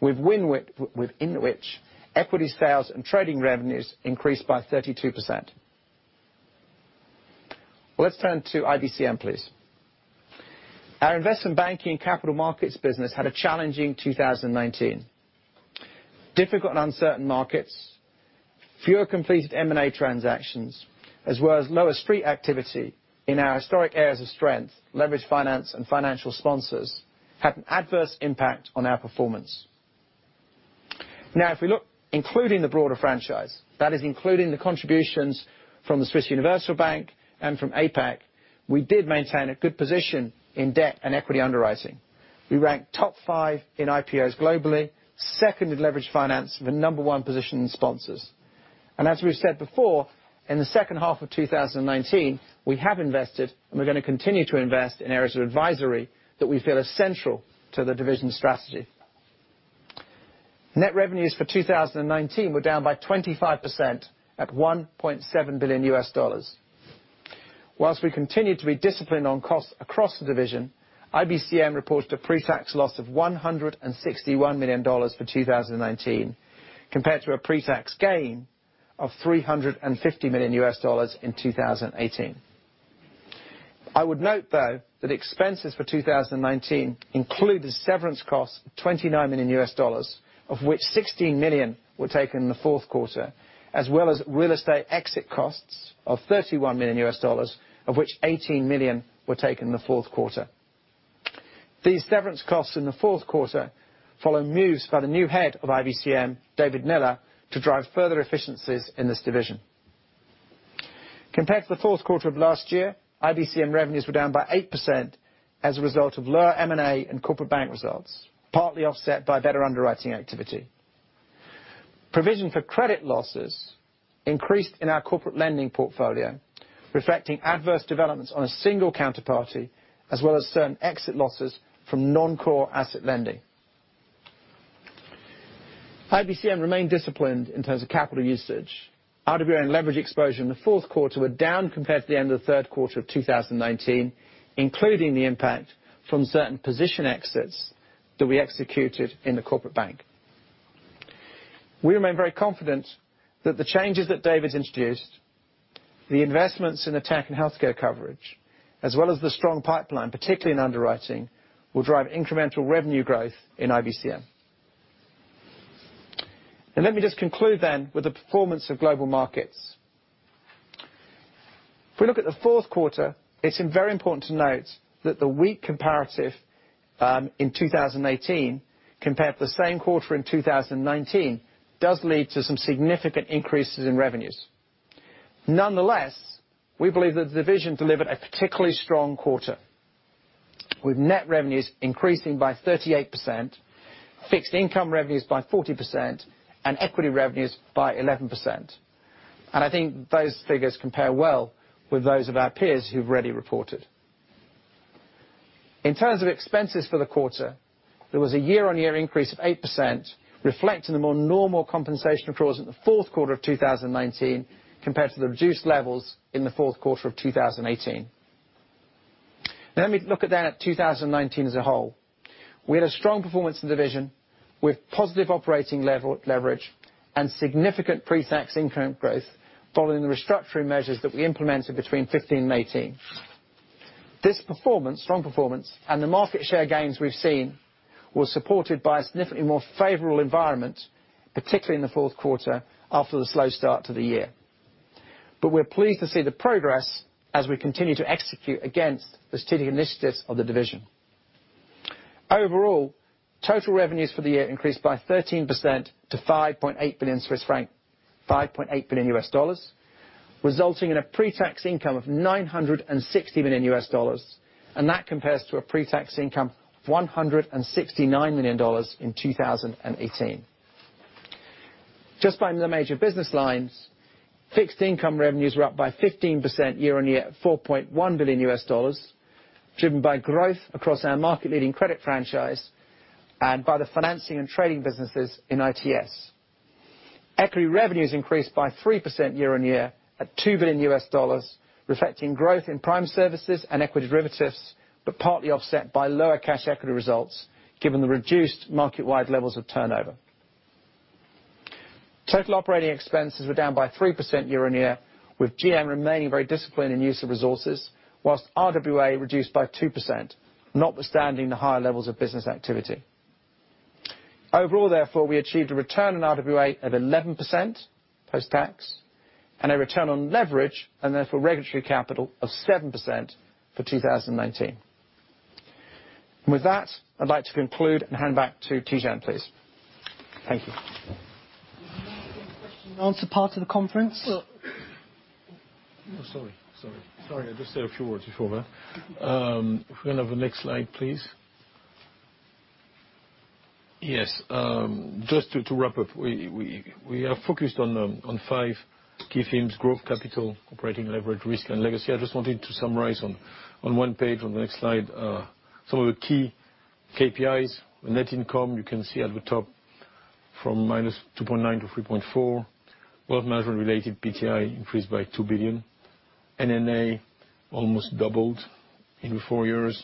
within which equity sales and trading revenues increased by 32%. Well, let's turn to IBCM, please. Our Investment Banking and Capital Markets business had a challenging 2019. Difficult and uncertain markets, fewer completed M&A transactions, as well as lower Street activity in our historic areas of strength, leveraged finance and financial sponsors, had an adverse impact on our performance. Now, if we look including the broader franchise, that is including the contributions from the Swiss Universal Bank and from APAC, we did maintain a good position in debt and equity underwriting. We ranked top five in IPOs globally, second in leveraged finance with a number one position in sponsors. As we've said before, in the second half of 2019, we have invested, and we're going to continue to invest in areas of advisory that we feel are central to the division's strategy. Net revenues for 2019 were down by 25% at $1.7 billion. Whilst we continued to be disciplined on costs across the division, IBCM reported a pre-tax loss of $161 million for 2019, compared to a pre-tax gain of $350 million in 2018. I would note, though, that expenses for 2019 included severance costs of $29 million, of which $16 million were taken in the fourth quarter, as well as real estate exit costs of $31 million, of which $18 million were taken in the fourth quarter. These severance costs in the fourth quarter follow moves by the new head of IBCM, David Miller, to drive further efficiencies in this division. Compared to the fourth quarter of last year, IBCM revenues were down by 8% as a result of lower M&A and Corporate Bank results, partly offset by better underwriting activity. Provision for credit losses increased in our corporate lending portfolio, reflecting adverse developments on a single counterparty, as well as certain exit losses from non-core asset lending. IBCM remained disciplined in terms of capital usage. RWA and leverage exposure in the fourth quarter were down compared to the end of the third quarter of 2019, including the impact from certain position exits that we executed in the Corporate Bank. We remain very confident that the changes that David's introduced, the investments in the tech and healthcare coverage, as well as the strong pipeline, particularly in underwriting, will drive incremental revenue growth in IBCM. Let me just conclude then with the performance of Global Markets. If we look at the fourth quarter, it's very important to note that the weak comparative in 2018 compared to the same quarter in 2019 does lead to some significant increases in revenues. Nonetheless, we believe that the division delivered a particularly strong quarter, with net revenues increasing by 38%, fixed income revenues by 40%, and equity revenues by 11%. I think those figures compare well with those of our peers who've already reported. In terms of expenses for the quarter, there was a year-over-year increase of 8%, reflecting the more normal compensation accruals in the fourth quarter of 2019 compared to the reduced levels in the fourth quarter of 2018. Let me look at that at 2019 as a whole. We had a strong performance in the division, with positive operating leverage and significant pre-tax income growth following the restructuring measures that we implemented between 2015 and 2018. This strong performance and the market share gains we've seen were supported by a significantly more favorable environment, particularly in the fourth quarter after the slow start to the year. We're pleased to see the progress as we continue to execute against the strategic initiatives of the division. Overall, total revenues for the year increased by 13% to 5.8 billion Swiss francs, $5.8 billion, resulting in a pre-tax income of $960 million. That compares to a pre-tax income of $169 million in 2018. Just by the major business lines, fixed income revenues were up by 15% year-on-year at $4.1 billion, driven by growth across our market-leading credit franchise and by the financing and trading businesses in ITS. Equity revenues increased by 3% year-on-year at $2 billion, reflecting growth in prime services and equity derivatives. Partly offset by lower cash equity results given the reduced market-wide levels of turnover. Total operating expenses were down by 3% year-on-year, with GM remaining very disciplined in use of resources, whilst RWA reduced by 2%, notwithstanding the higher levels of business activity. Overall, therefore, we achieved a return on RWA of 11% post-tax and a return on leverage, and therefore regulatory capital, of 7% for 2019. With that, I'd like to conclude and hand back to Tidjane, please. Thank you. We will now take the question and answer part of the conference. Sorry. I'll just say a few words before that. If we can have the next slide, please. Yes. Just to wrap up, we are focused on five key themes: growth, capital, operating leverage, risk, and legacy. I just wanted to summarize on one page on the next slide some of the key KPIs. Net income, you can see at the top, from -2.9 billion to 3.4 billion. Wealth Management-related PTI increased by 2 billion. NNA almost doubled in the four years.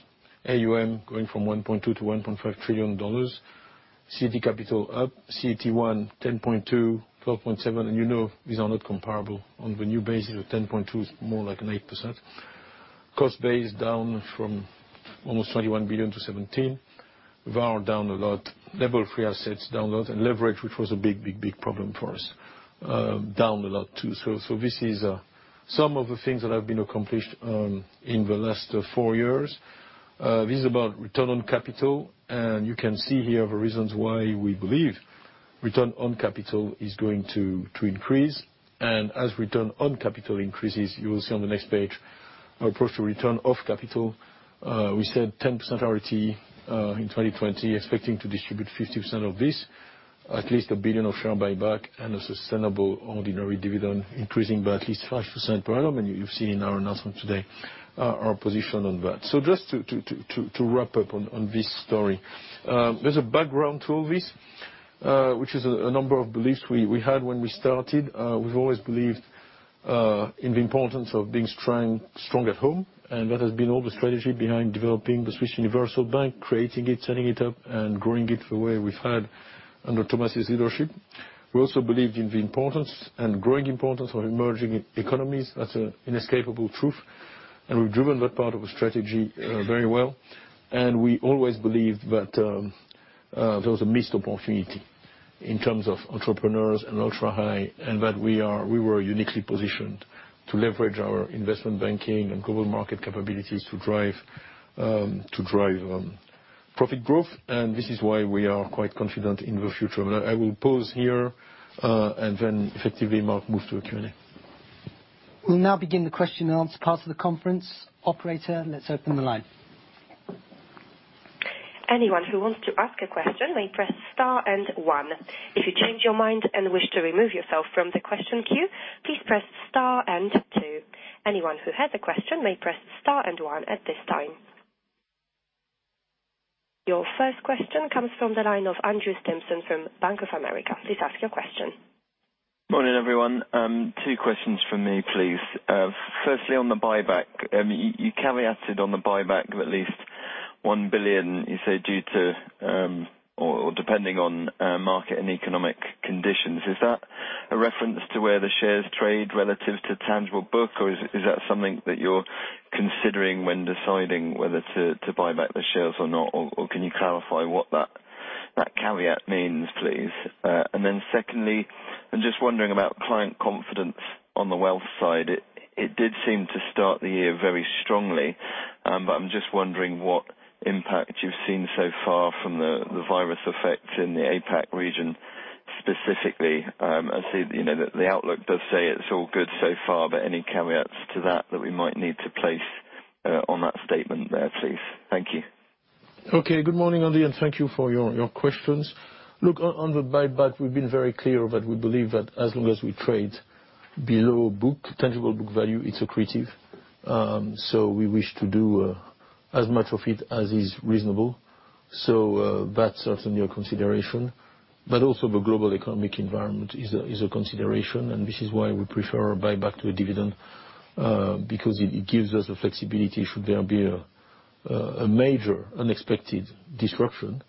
AUM going from 1.2 trillion to CHF 1.5 trillion. CET capital up, CET1, 10.2%, 12.7%, you know these are not comparable. On the new basis, the 10.2% is more like an 8%. Cost base down from almost 21 billion to 17 billion. VaR down a lot. Level 3 assets down a lot, leverage, which was a big problem for us, down a lot, too. This is some of the things that have been accomplished in the last four years. This is about return on capital, and you can see here the reasons why we believe Return on capital is going to increase. As return on capital increases, you will see on the next page our approach to return of capital. We said 10% ROTE in 2020, expecting to distribute 50% of this, at least 1 billion of share buyback, and a sustainable ordinary dividend increasing by at least 5% per annum. You've seen in our announcement today our position on that. Just to wrap up on this story. There's a background to all this, which is a number of beliefs we had when we started. We've always believed in the importance of being strong at home, that has been all the strategy behind developing the Swiss Universal Bank, creating it, setting it up, and growing it the way we've had under Thomas' leadership. We also believed in the importance and growing importance of emerging economies. That's an inescapable truth, we've driven that part of the strategy very well. We always believed that there was a missed opportunity in terms of entrepreneurs and ultra-high, that we were uniquely positioned to leverage our Investment Banking and Global Market capabilities to drive profit growth, this is why we are quite confident in the future. I will pause here, then effectively, Mark, move to a Q&A. We'll now begin the question and answer part of the conference. Operator, let's open the line. Anyone who wants to ask a question may press star and one. If you change your mind and wish to remove yourself from the question queue, please press star and two. Anyone who has a question may press star and one at this time. Your first question comes from the line of Andrew Stimpson from Bank of America. Please ask your question. Morning, everyone. Two questions from me, please. Firstly, on the buyback. You caveated on the buyback of at least 1 billion, you said, due to, or depending on market and economic conditions. Is that a reference to where the shares trade relative to tangible book, or is that something that you're considering when deciding whether to buy back the shares or not, or can you clarify what that caveat means, please? Secondly, I'm just wondering about client confidence on the wealth side. It did seem to start the year very strongly. I'm just wondering what impact you've seen so far from the virus effect in the Asia-Pacific region specifically. I see that the outlook does say it's all good so far, but any caveats to that that we might need to place on that statement there, please? Thank you. Good morning, Andy, thank you for your questions. Look, on the buyback, we've been very clear that we believe that as long as we trade below tangible book value, it's accretive. We wish to do as much of it as is reasonable. That's certainly a consideration. Also the global economic environment is a consideration, and this is why we prefer a buyback to a dividend, because it gives us the flexibility, should there be a major unexpected disruption,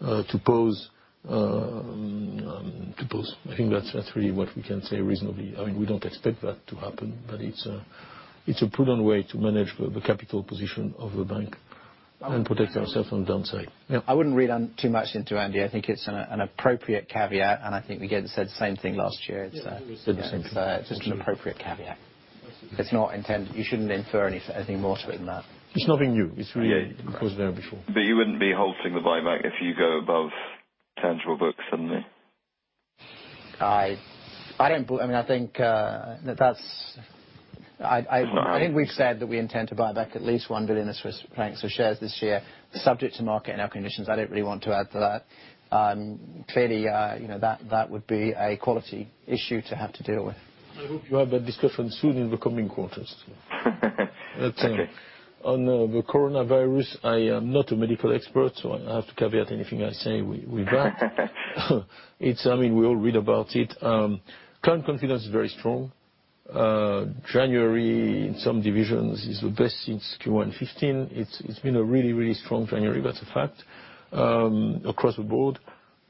to pause. I think that's really what we can say reasonably. We don't expect that to happen, but it's a prudent way to manage the capital position of the bank and protect ourselves on the downside. I wouldn't read too much into Andy. I think it's an appropriate caveat, and I think we said the same thing last year. Yes. We said the same thing. It's just an appropriate caveat. You shouldn't infer anything more to it than that. It's nothing new. It was there before. You wouldn't be halting the buyback if you go above tangible books suddenly? I think we've said that we intend to buy back at least 1 billion Swiss francs of shares this year, subject to market and our conditions. I don't really want to add to that. Clearly, that would be a quality issue to have to deal with. I hope you have a discussion soon in the coming quarters. Okay. On the coronavirus, I am not a medical expert, so I have to caveat anything I say with that. We all read about it. Client confidence is very strong. January in some divisions is the best since Q1 2015. It's been a really strong January, that's a fact. Across the board,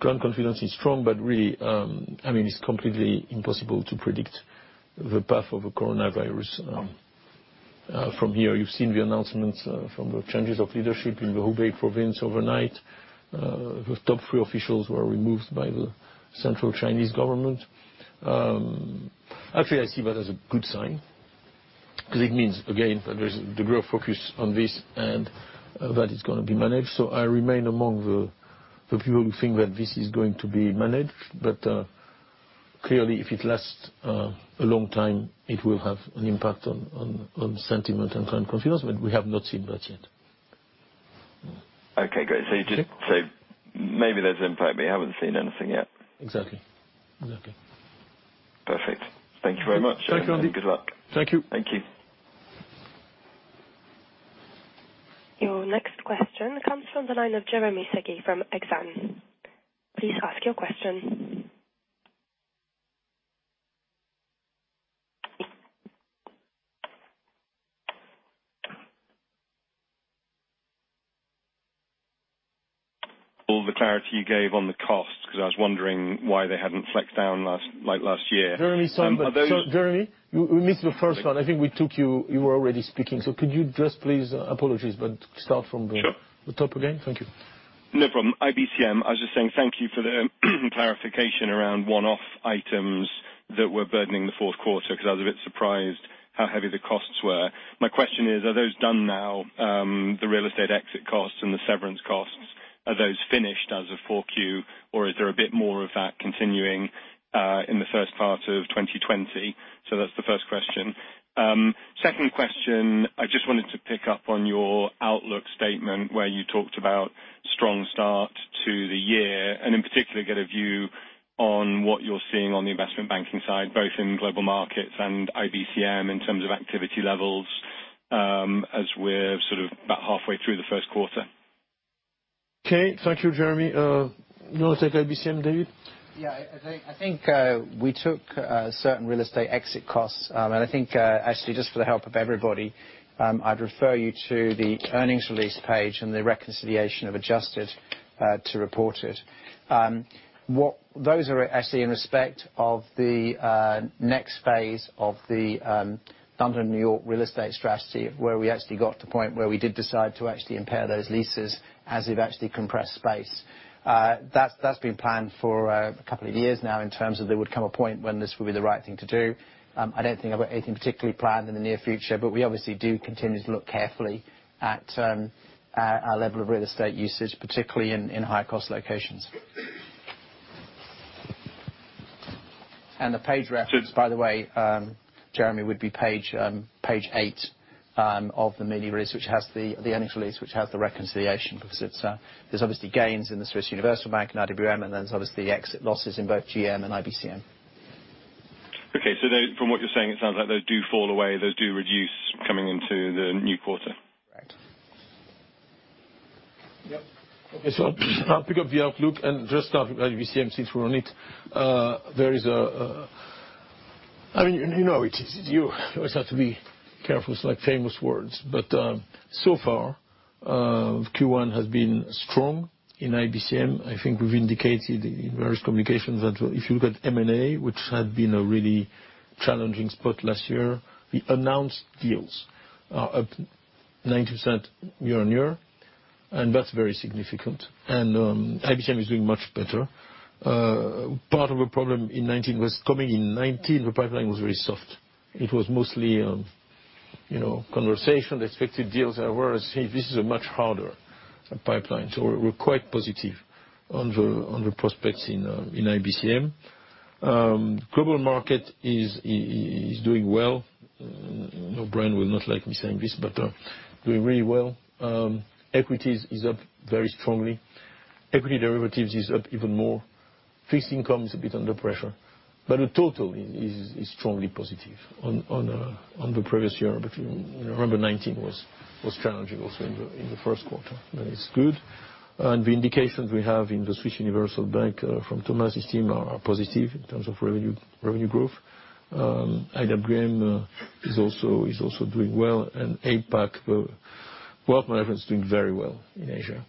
client confidence is strong. Really, it's completely impossible to predict the path of the coronavirus from here. You've seen the announcements from the changes of leadership in the Hubei province overnight. The top three officials were removed by the central Chinese government. Actually, I see that as a good sign, because it means, again, that there's a degree of focus on this and that it's going to be managed. I remain among the people who think that this is going to be managed. Clearly, if it lasts a long time, it will have an impact on sentiment and client confidence, but we have not seen that yet. Okay, great. You're just saying maybe there's an impact, but you haven't seen anything yet? Exactly. Perfect. Thank you very much. Thank you, Andy. Good luck. Thank you. Thank you. Your next question comes from the line of Jeremy Sigee from Exane. Please ask your question. All the clarity you gave on the costs, because I was wondering why they hadn't flexed down like last year. Jeremy, sorry. We missed the first one. I think we took you were already speaking. Could you just please, apologies, start from the Sure the top again? Thank you. No problem. IBCM. I was just saying thank you for the clarification around one-off items that were burdening the fourth quarter, because I was a bit surprised how heavy the costs were. My question is, are those done now, the real estate exit costs and the severance costs, are those finished as of 4Q, or is there a bit more of that continuing in the first part of 2020? That's the first question. Second question, I just wanted to pick up on your outlook statement, where you talked about strong start to the year, and in particular, get a view on what you're seeing on the investment banking side, both in Global Markets and IBCM in terms of activity levels, as we're sort of about halfway through the first quarter. Okay. Thank you, Jeremy. You want to take IBCM, David? I think we took certain real estate exit costs, and I think, actually, just for the help of everybody, I'd refer you to the earnings release page and the reconciliation of adjusted to reported. Those are actually in respect of the next phase of the London, New York real estate strategy, where we actually got to a point where we did decide to actually impair those leases as we've actually compressed space. That's been planned for a couple of years now in terms of there would come a point when this would be the right thing to do. I don't think I've got anything particularly planned in the near future. We obviously do continue to look carefully at our level of real estate usage, particularly in high-cost locations. The page reference, by the way, Jeremy, would be page eight of the mini release, which has the earnings release, which has the reconciliation because there's obviously gains in the Swiss Universal Bank and IWM, and there's obviously exit losses in both GM and IBCM. From what you're saying, it sounds like those do fall away, those do reduce coming into the new quarter. Right. Yep. Okay, I'll pick up the outlook and just start with IBCM since we're on it. You always have to be careful, it's like famous words. So far, Q1 has been strong in IBCM. I think we've indicated in various communications that if you look at M&A, which had been a really challenging spot last year, the announced deals are up 90% year-on-year, and that's very significant. IBCM is doing much better. Part of our problem in 2019 was coming in 2019, the pipeline was very soft. It was mostly conversation, expected deals. However, I see this is a much harder pipeline. We're quite positive on the prospects in IBCM. Global Markets is doing well. I know Brian will not like me saying this, doing really well. Equities is up very strongly. Equity derivatives is up even more. Fixed income is a bit under pressure, the total is strongly positive on the previous year. Remember 2019 was challenging also in the first quarter. It's good. The indications we have in the Swiss Universal Bank from Thomas, his team, are positive in terms of revenue growth. IWM is also doing well, and APAC, wealth management is doing very well in Asia.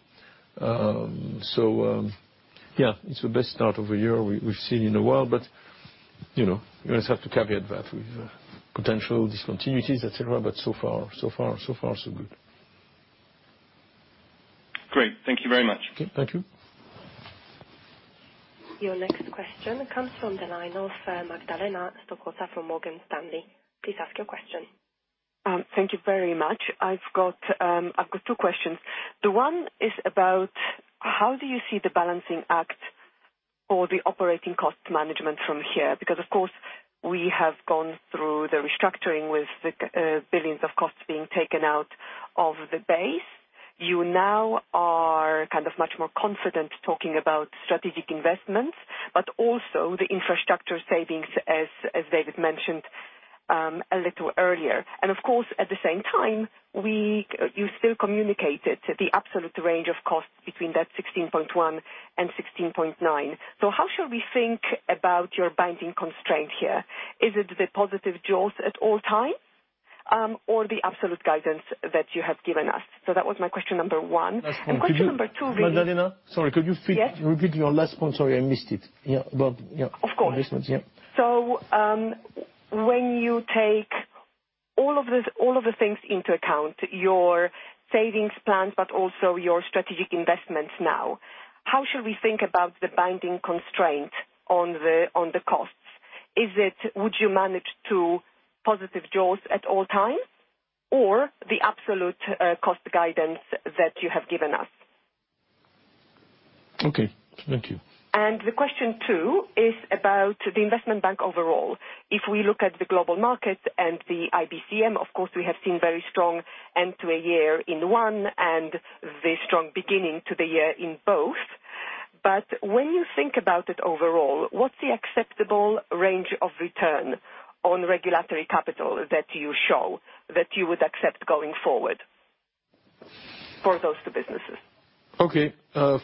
Yeah, it's the best start of a year we've seen in a while, but you always have to caveat that with potential discontinuities, et cetera. So far, so good. Great. Thank you very much. Okay. Thank you. Your next question comes from the line of Magdalena Stoklosa from Morgan Stanley. Please ask your question. Thank you very much. I've got two questions. How do you see the balancing act for the operating cost management from here? Of course, we have gone through the restructuring with billions of costs being taken out of the base. You now are kind of much more confident talking about strategic investments, but also the infrastructure savings as David mentioned a little earlier. Of course, at the same time, you still communicated the absolute range of costs between 16.1 and 16.9. How shall we think about your binding constraint here? Is it the positive jaws at all times or the absolute guidance that you have given us? That was my question number one. Magdalena- Yes Sorry, could you repeat your last one? Sorry, I missed it. Yeah. Of course. Investments. Yeah. When you take all of the things into account, your savings plans, but also your strategic investments now, how should we think about the binding constraint on the costs? Would you manage to positive jaws at all times or the absolute cost guidance that you have given us? Okay. Thank you. The question two is about the investment bank overall. If we look at the Global Markets and the IBCM, of course, we have seen very strong end to a year in one and the strong beginning to the year in both. When you think about it overall, what's the acceptable range of return on regulatory capital that you show that you would accept going forward for those two businesses? Okay.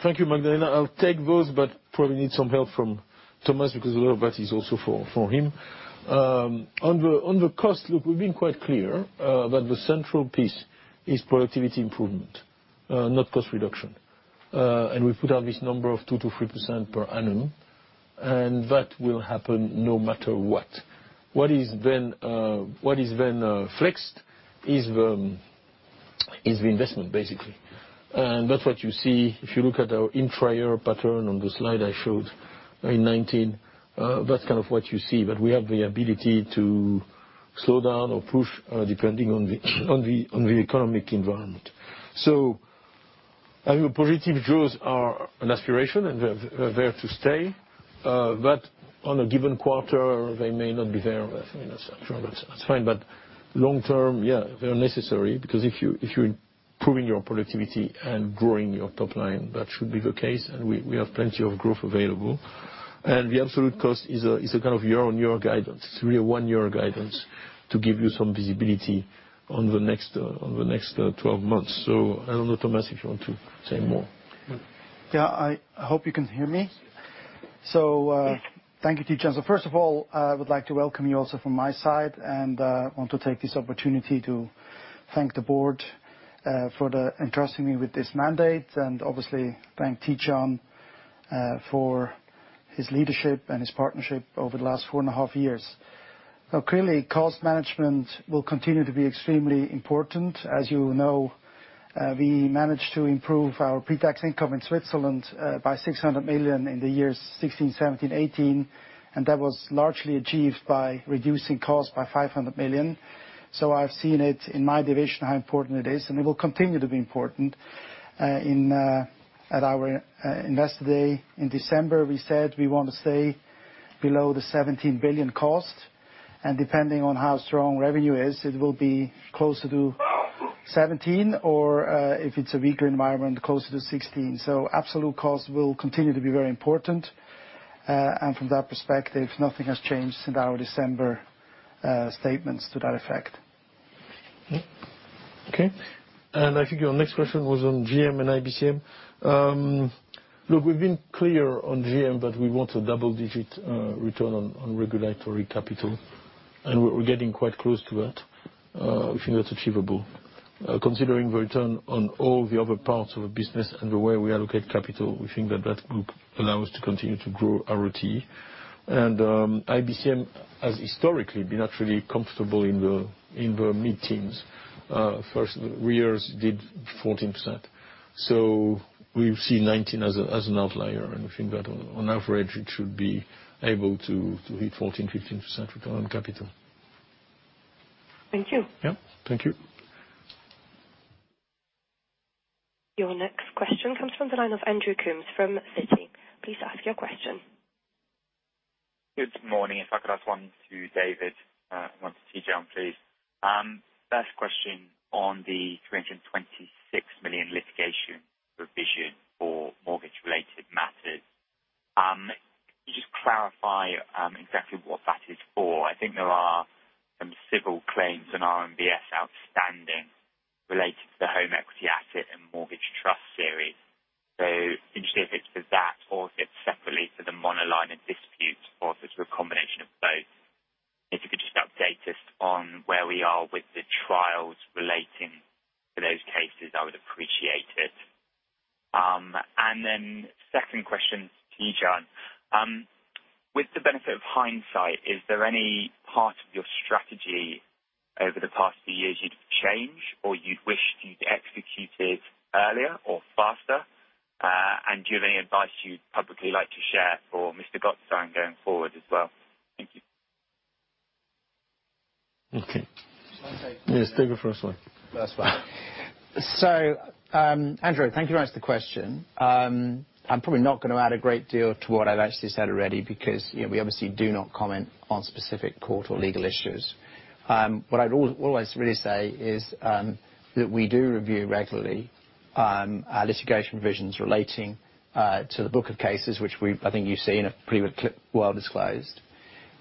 Thank you, Magdalena. I'll take those, but probably need some help from Thomas because a lot of that is also for him. On the cost, look, we've been quite clear that the central piece is productivity improvement, not cost reduction. We put out this number of 2%-3% per annum, and that will happen no matter what. What is flexed is the investment, basically. That's what you see if you look at our intra-year pattern on the slide I showed in 2019. That's kind of what you see, but we have the ability to slow down or push, depending on the economic environment. I think productivity drives are an aspiration, and they're there to stay. On a given quarter, they may not be there. That's fine. Long term, yeah, they're necessary, because if you're improving your productivity and growing your top line, that should be the case. We have plenty of growth available. The absolute cost is a kind of year-on-year guidance. It's really a one-year guidance to give you some visibility on the next 12 months. I don't know, Thomas, if you want to say more? Yeah. I hope you can hear me. Thank you, Tidjane. First of all, I would like to welcome you also from my side. I want to take this opportunity to thank the board for entrusting me with this mandate, and obviously thank Tidjane for his leadership and his partnership over the last four and a half years. Now clearly, cost management will continue to be extremely important. As you know, we managed to improve our pre-tax income in Switzerland by 600 million in the years 2016, 2017, 2018, and that was largely achieved by reducing costs by 500 million. I've seen it in my division, how important it is, and it will continue to be important. At our Investor Day in December, we said we want to stay below the 17 billion cost, depending on how strong revenue is, it will be closer to 17 or, if it's a weaker environment, closer to 16. Absolute cost will continue to be very important. From that perspective, nothing has changed since our December statements to that effect. Okay. I think your next question was on GM and IBCM. Look, we've been clear on GM that we want a double-digit return on regulatory capital, and we're getting quite close to that. I think that's achievable. Considering the return on all the other parts of the business and the way we allocate capital, we think that that group allows to continue to grow ROT. IBCM has historically been actually comfortable in the mid-teens. First three years did 14%, we see 2019 as an outlier, and we think that on average, it should be able to hit 14%, 15% return on capital. Thank you. Yeah. Thank you. Your next question comes from the line of Andrew Coombs from Citi. Please ask your question. Good morning. If I could ask one to David, one to Tidjane, please. First question on the 326 million litigation revision for mortgage-related matters. Can you just clarify exactly what that is for? I think there are some civil claims and RMBS outstanding related to the Home Equity Asset and mortgage trust series. Interested if it's for that or if separately for the monoline and disputes or if it's a combination of both. If you could just update us on where we are with the trials relating to those cases, I would appreciate it. Second question to Tidjane. With the benefit of hindsight, is there any part of your strategy over the past few years you'd change or you wish you'd executed earlier or faster? Do you have any advice you'd publicly like to share for Mr. Gottstein going forward as well? Thank you. Okay. Shall I take? Yes, take the first one. First one. Andrew, thank you very much for the question. I'm probably not going to add a great deal to what I've actually said already, because we obviously do not comment on specific court or legal issues. What I'd always really say is that we do review regularly our litigation provisions relating to the book of cases which I think you see in a pretty well-disclosed.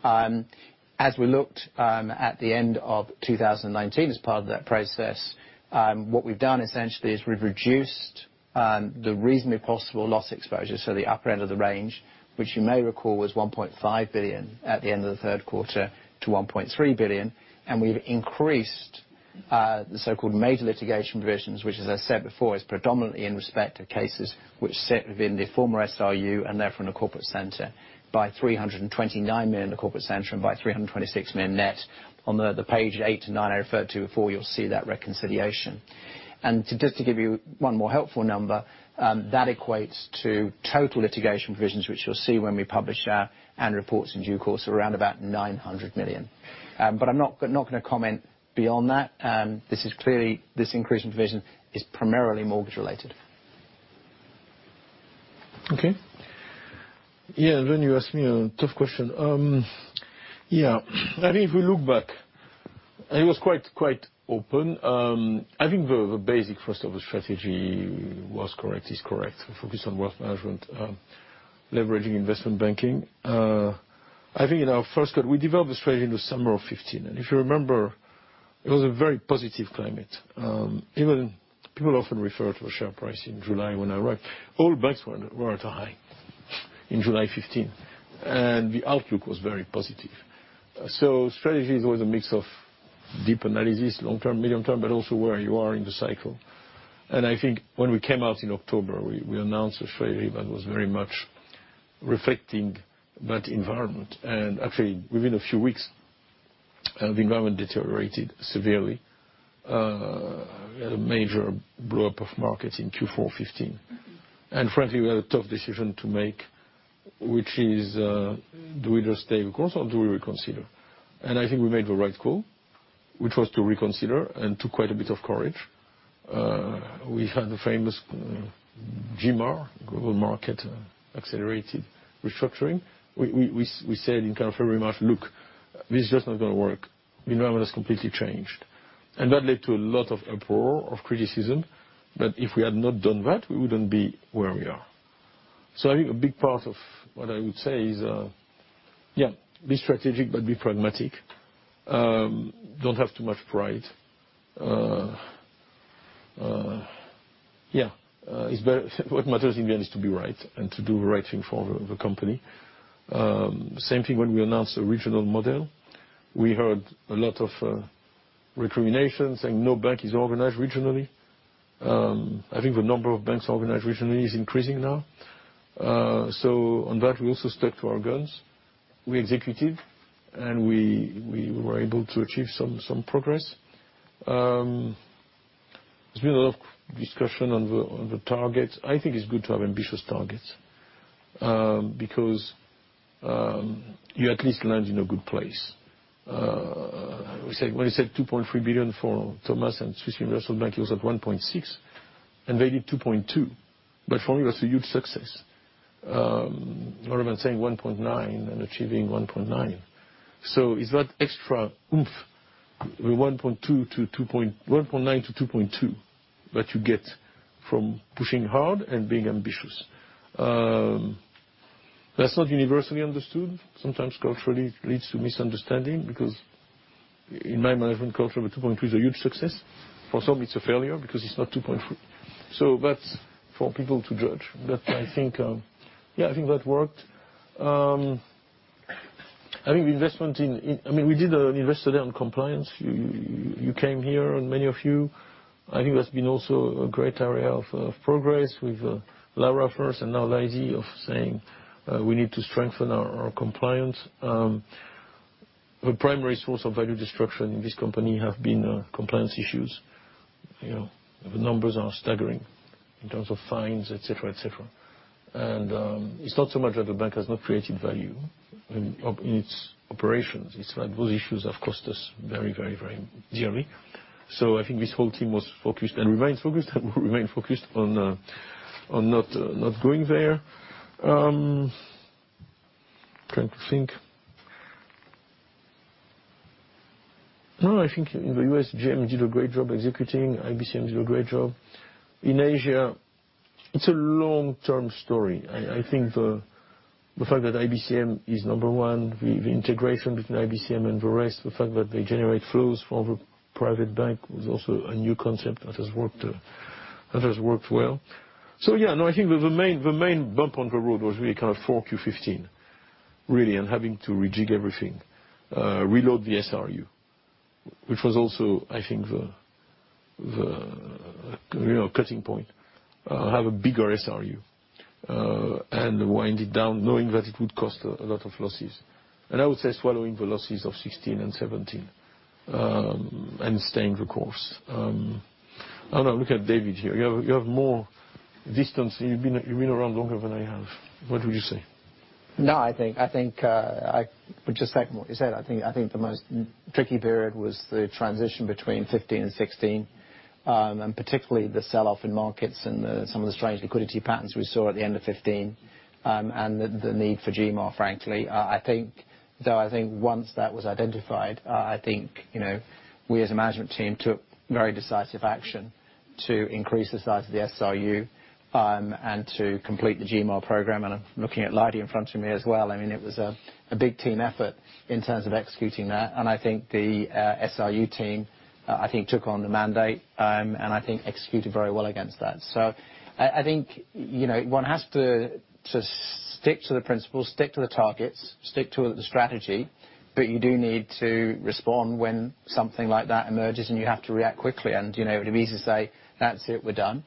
As we looked at the end of 2019 as part of that process, what we've done essentially is we've reduced the reasonably possible loss exposure, so the upper end of the range, which you may recall was 1.5 billion at the end of the third quarter to 1.3 billion, and we've increased the so-called major litigation provisions, which as I said before, is predominantly in respect to cases which sit within the former SRU and therefore in the Corporate Center by 329 million in the Corporate Center and by 326 million net. On page eight and nine I referred to before, you'll see that reconciliation. Just to give you one more helpful number, that equates to total litigation provisions, which you'll see when we publish our ann reports in due course, around about 900 million. I'm not going to comment beyond that. This increase in provision is primarily mortgage related. Okay. Yeah, you ask me a tough question. Yeah, I think if we look back, it was quite open. I think the basic, first of the strategy was correct, is correct. Focus on wealth management, leveraging investment banking. I think in our first cut, we developed the strategy in the summer of 2015. If you remember, it was a very positive climate. People often refer to a share price in July when I arrived. All banks were at a high in July 2015, the outlook was very positive. Strategy is always a mix of deep analysis, long term, medium term, but also where you are in the cycle. I think when we came out in October, we announced a strategy that was very much reflecting that environment. Actually, within a few weeks, the environment deteriorated severely. We had a major blow-up of markets in Q4 2015. Frankly, we had a tough decision to make, which is, do we just stay the course or do we reconsider? I think we made the right call, which was to reconsider, and took quite a bit of courage. We had the famous GMAR, Global Market Accelerated Restructuring. We said in kind of February, March, "Look, this is just not going to work." The environment has completely changed. That led to a lot of uproar, of criticism. If we had not done that, we wouldn't be where we are. I think a big part of what I would say is, be strategic, but be pragmatic. Don't have too much pride. What matters in the end is to be right and to do the right thing for the company. Same thing when we announced the regional model. We heard a lot of recriminations saying, "No bank is organized regionally." I think the number of banks organized regionally is increasing now. On that, we also stuck to our guns. We executed, and we were able to achieve some progress. There's been a lot of discussion on the targets. I think it's good to have ambitious targets, because you at least land in a good place. When we said 2.3 billion for Thomas and Swiss Universal Bank, it was at 1.6, and they did 2.2. For me, that's a huge success. Rather than saying 1.9 and achieving 1.9. It's that extra oomph, the 1.9 to 2.2 that you get from pushing hard and being ambitious. That's not universally understood. Sometimes culturally, it leads to misunderstanding because in my management culture, 2.2 is a huge success. For some it's a failure because it's not 2.4. That's for people to judge. I think that worked. We did invest today on compliance. You came here, many of you. I think that's been also a great area of progress with Lara first and now Lydie of saying, we need to strengthen our compliance. The primary source of value destruction in this company have been compliance issues. The numbers are staggering in terms of fines, et cetera. It's not so much that the bank has not created value in its operations. It's like those issues have cost us very dearly. I think this whole team was focused and will remain focused on not going there. I'm trying to think. I think in the U.S., Global Markets did a great job executing. IBCM did a great job. In Asia, it's a long-term story. I think the fact that IBCM is number one, the integration between IBCM and the rest, the fact that they generate flows for the private bank was also a new concept that has worked well. Yeah, no, I think the main bump on the road was really kind of 4Q 2015, and having to rejig everything. Reload the SRU, which was also, I think, the cutting point. Have a bigger SRU, and wind it down knowing that it would cost a lot of losses. I would say swallowing the losses of 2016 and 2017, and staying the course. I don't know, look at David here. You have more distance. You've been around longer than I have. What would you say? No, I think, just like what you said, I think the most tricky period was the transition between 2015 and 2016, and particularly the sell-off in markets and some of the strange liquidity patterns we saw at the end of 2015, and the need for GMAR, frankly. I think once that was identified, I think we as a management team took very decisive action to increase the size of the SRU, and to complete the GMAR program. I'm looking at Lydie in front of me as well. It was a big team effort in terms of executing that. I think the SRU team, I think took on the mandate, and I think executed very well against that. I think one has to stick to the principles, stick to the targets, stick to the strategy, but you do need to respond when something like that emerges, and you have to react quickly. It'd be easy to say, "That's it, we're done."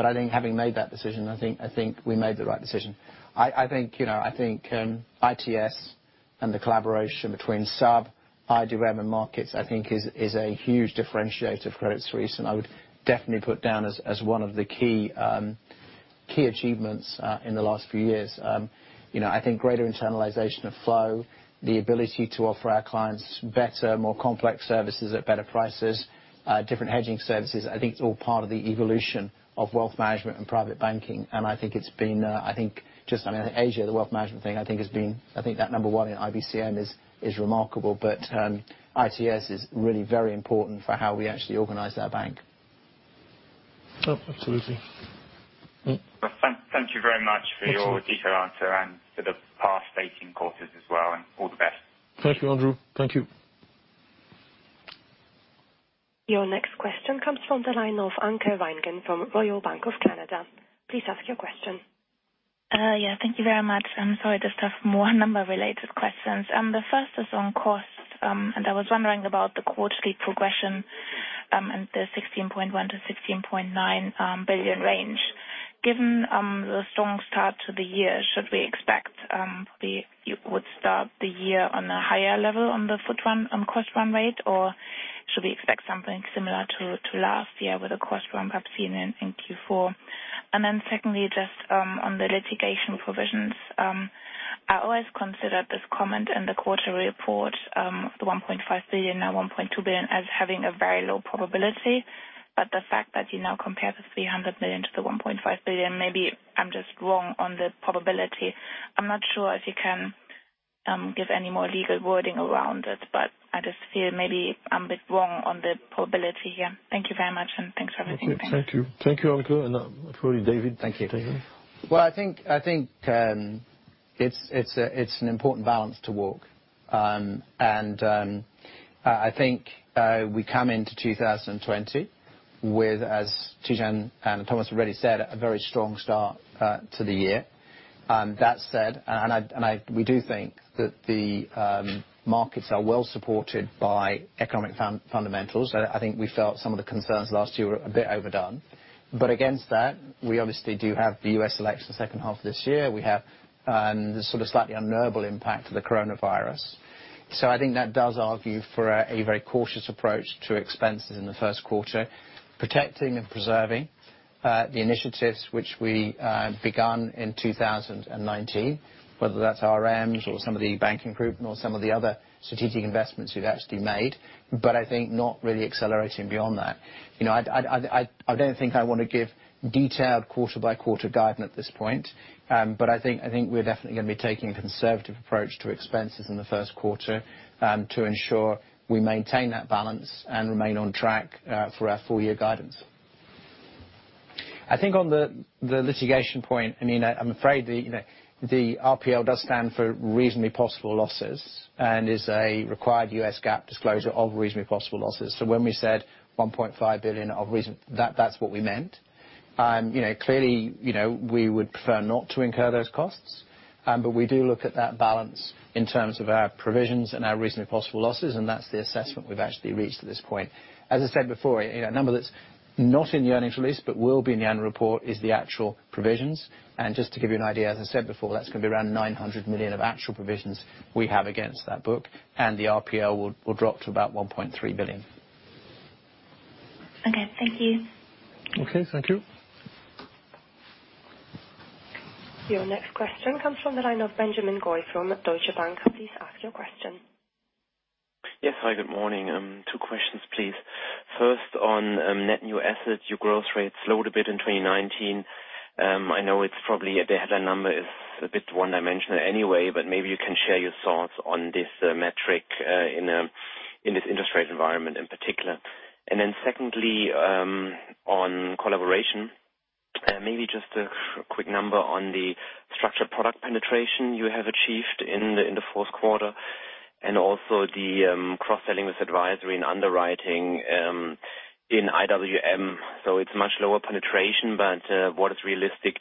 I think having made that decision, I think we made the right decision. I think ITS and the collaboration between SUB, IWM and Global Markets, I think is a huge differentiator for Credit Suisse, and I would definitely put down as one of the key achievements in the last few years. I think greater internalization of flow, the ability to offer our clients better, more complex services at better prices, different hedging services. I think it's all part of the evolution of wealth management and private banking. I think just in Asia, the wealth management thing, I think that number one in IBCM is remarkable. ATS is really very important for how we actually organize our bank. Oh, absolutely. Thank you very much for your detailed answer and for the past stating courses as well, and all the best. Thank you, Andrew. Thank you. Your next question comes from the line of Anke Reingen from Royal Bank of Canada. Please ask your question. Yeah. Thank you very much. I'm sorry, just have one number related questions. The first is on cost, and I was wondering about the quarterly progression and the 16.1 billion-16.9 billion range. Given the strong start to the year, should we expect you would start the year on a higher level on the cost run rate, or should we expect something similar to last year with a cost run perhaps seen in Q4? Secondly, just on the litigation provisions. I always considered this comment in the quarterly report, the 1.5 billion, now 1.2 billion, as having a very low probability. The fact that you now compare the 300 million to the 1.5 billion, maybe I'm just wrong on the probability. I'm not sure if you can give any more legal wording around it, but I just feel maybe I'm a bit wrong on the probability here. Thank you very much, and thanks for everything. Okay. Thank you. Thank you, Anke, and now accordingly, David. Thank you. Well, I think it's an important balance to walk. I think we come into 2020 with, as Tidjane and Thomas have already said, a very strong start to the year. That said, and we do think that the markets are well supported by economic fundamentals. I think we felt some of the concerns last year were a bit overdone. Against that, we obviously do have the U.S. election the second half of this year. We have the slightly unknowable impact of the coronavirus. I think that does argue for a very cautious approach to expenses in the first quarter, protecting and preserving the initiatives which we begun in 2019, whether that's RMs or some of the banking group, or some of the other strategic investments we've actually made. I think not really accelerating beyond that. I don't think I want to give detailed quarter by quarter guidance at this point. I think we're definitely going to be taking a conservative approach to expenses in the first quarter to ensure we maintain that balance and remain on track for our full year guidance. I think on the litigation point, Anke, I'm afraid the RPL does stand for reasonably possible losses and is a required U.S. GAAP disclosure of reasonably possible losses. When we said 1.5 billion, that's what we meant. Clearly, we would prefer not to incur those costs. We do look at that balance in terms of our provisions and our reasonably possible losses, and that's the assessment we've actually reached at this point. As I said before, a number that's not in the earnings release, but will be in the annual report, is the actual provisions. Just to give you an idea, as I said before, that's going to be around 900 million of actual provisions we have against that book. The RPL will drop to about 1.3 billion. Okay. Thank you. Okay. Thank you. Your next question comes from the line of Benjamin Goy from Deutsche Bank. Please ask your question. Yes. Hi, good morning. Two questions, please. First, on net new assets, your growth rate slowed a bit in 2019. I know it's probably the headline number is a bit one-dimensional anyway, but maybe you can share your thoughts on this metric in this interest rate environment in particular. Secondly, on collaboration. Maybe just a quick number on the structured product penetration you have achieved in the fourth quarter, and also the cross-selling with advisory and underwriting in IWM. It's much lower penetration, but what is the realistic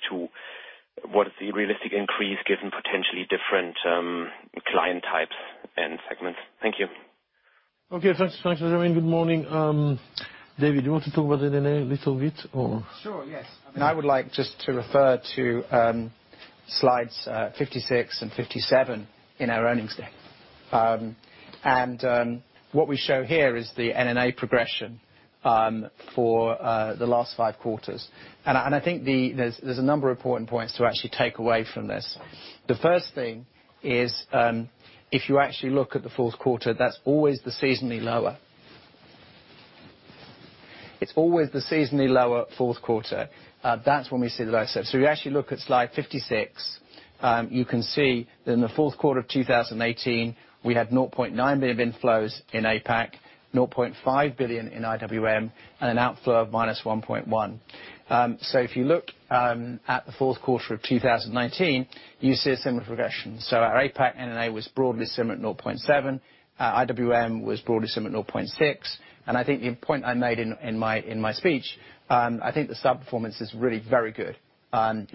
increase given potentially different client types and segments? Thank you. Okay. Thanks, Benjamin. Good morning. David, you want to talk about NNA a little bit or? Sure, yes. I would like just to refer to slides 56 and 57 in our earnings deck. What we show here is the NNA progression for the last five quarters. I think there's a number of important points to actually take away from this. The first thing is, if you actually look at the fourth quarter, that's always the seasonally lower. It's always the seasonally lower fourth quarter. That's when we see the lowest. You actually look at slide 56. You can see that in the fourth quarter of 2018, we had 0.9 billion inflows in APAC, 0.5 billion in IWM, and an outflow of minus 1.1. If you look at the fourth quarter of 2019, you see a similar progression. Our APAC NNA was broadly similar at 0.7. IWM was broadly similar at 0.6. I think the point I made in my speech, I think the sub-performance is really very good. No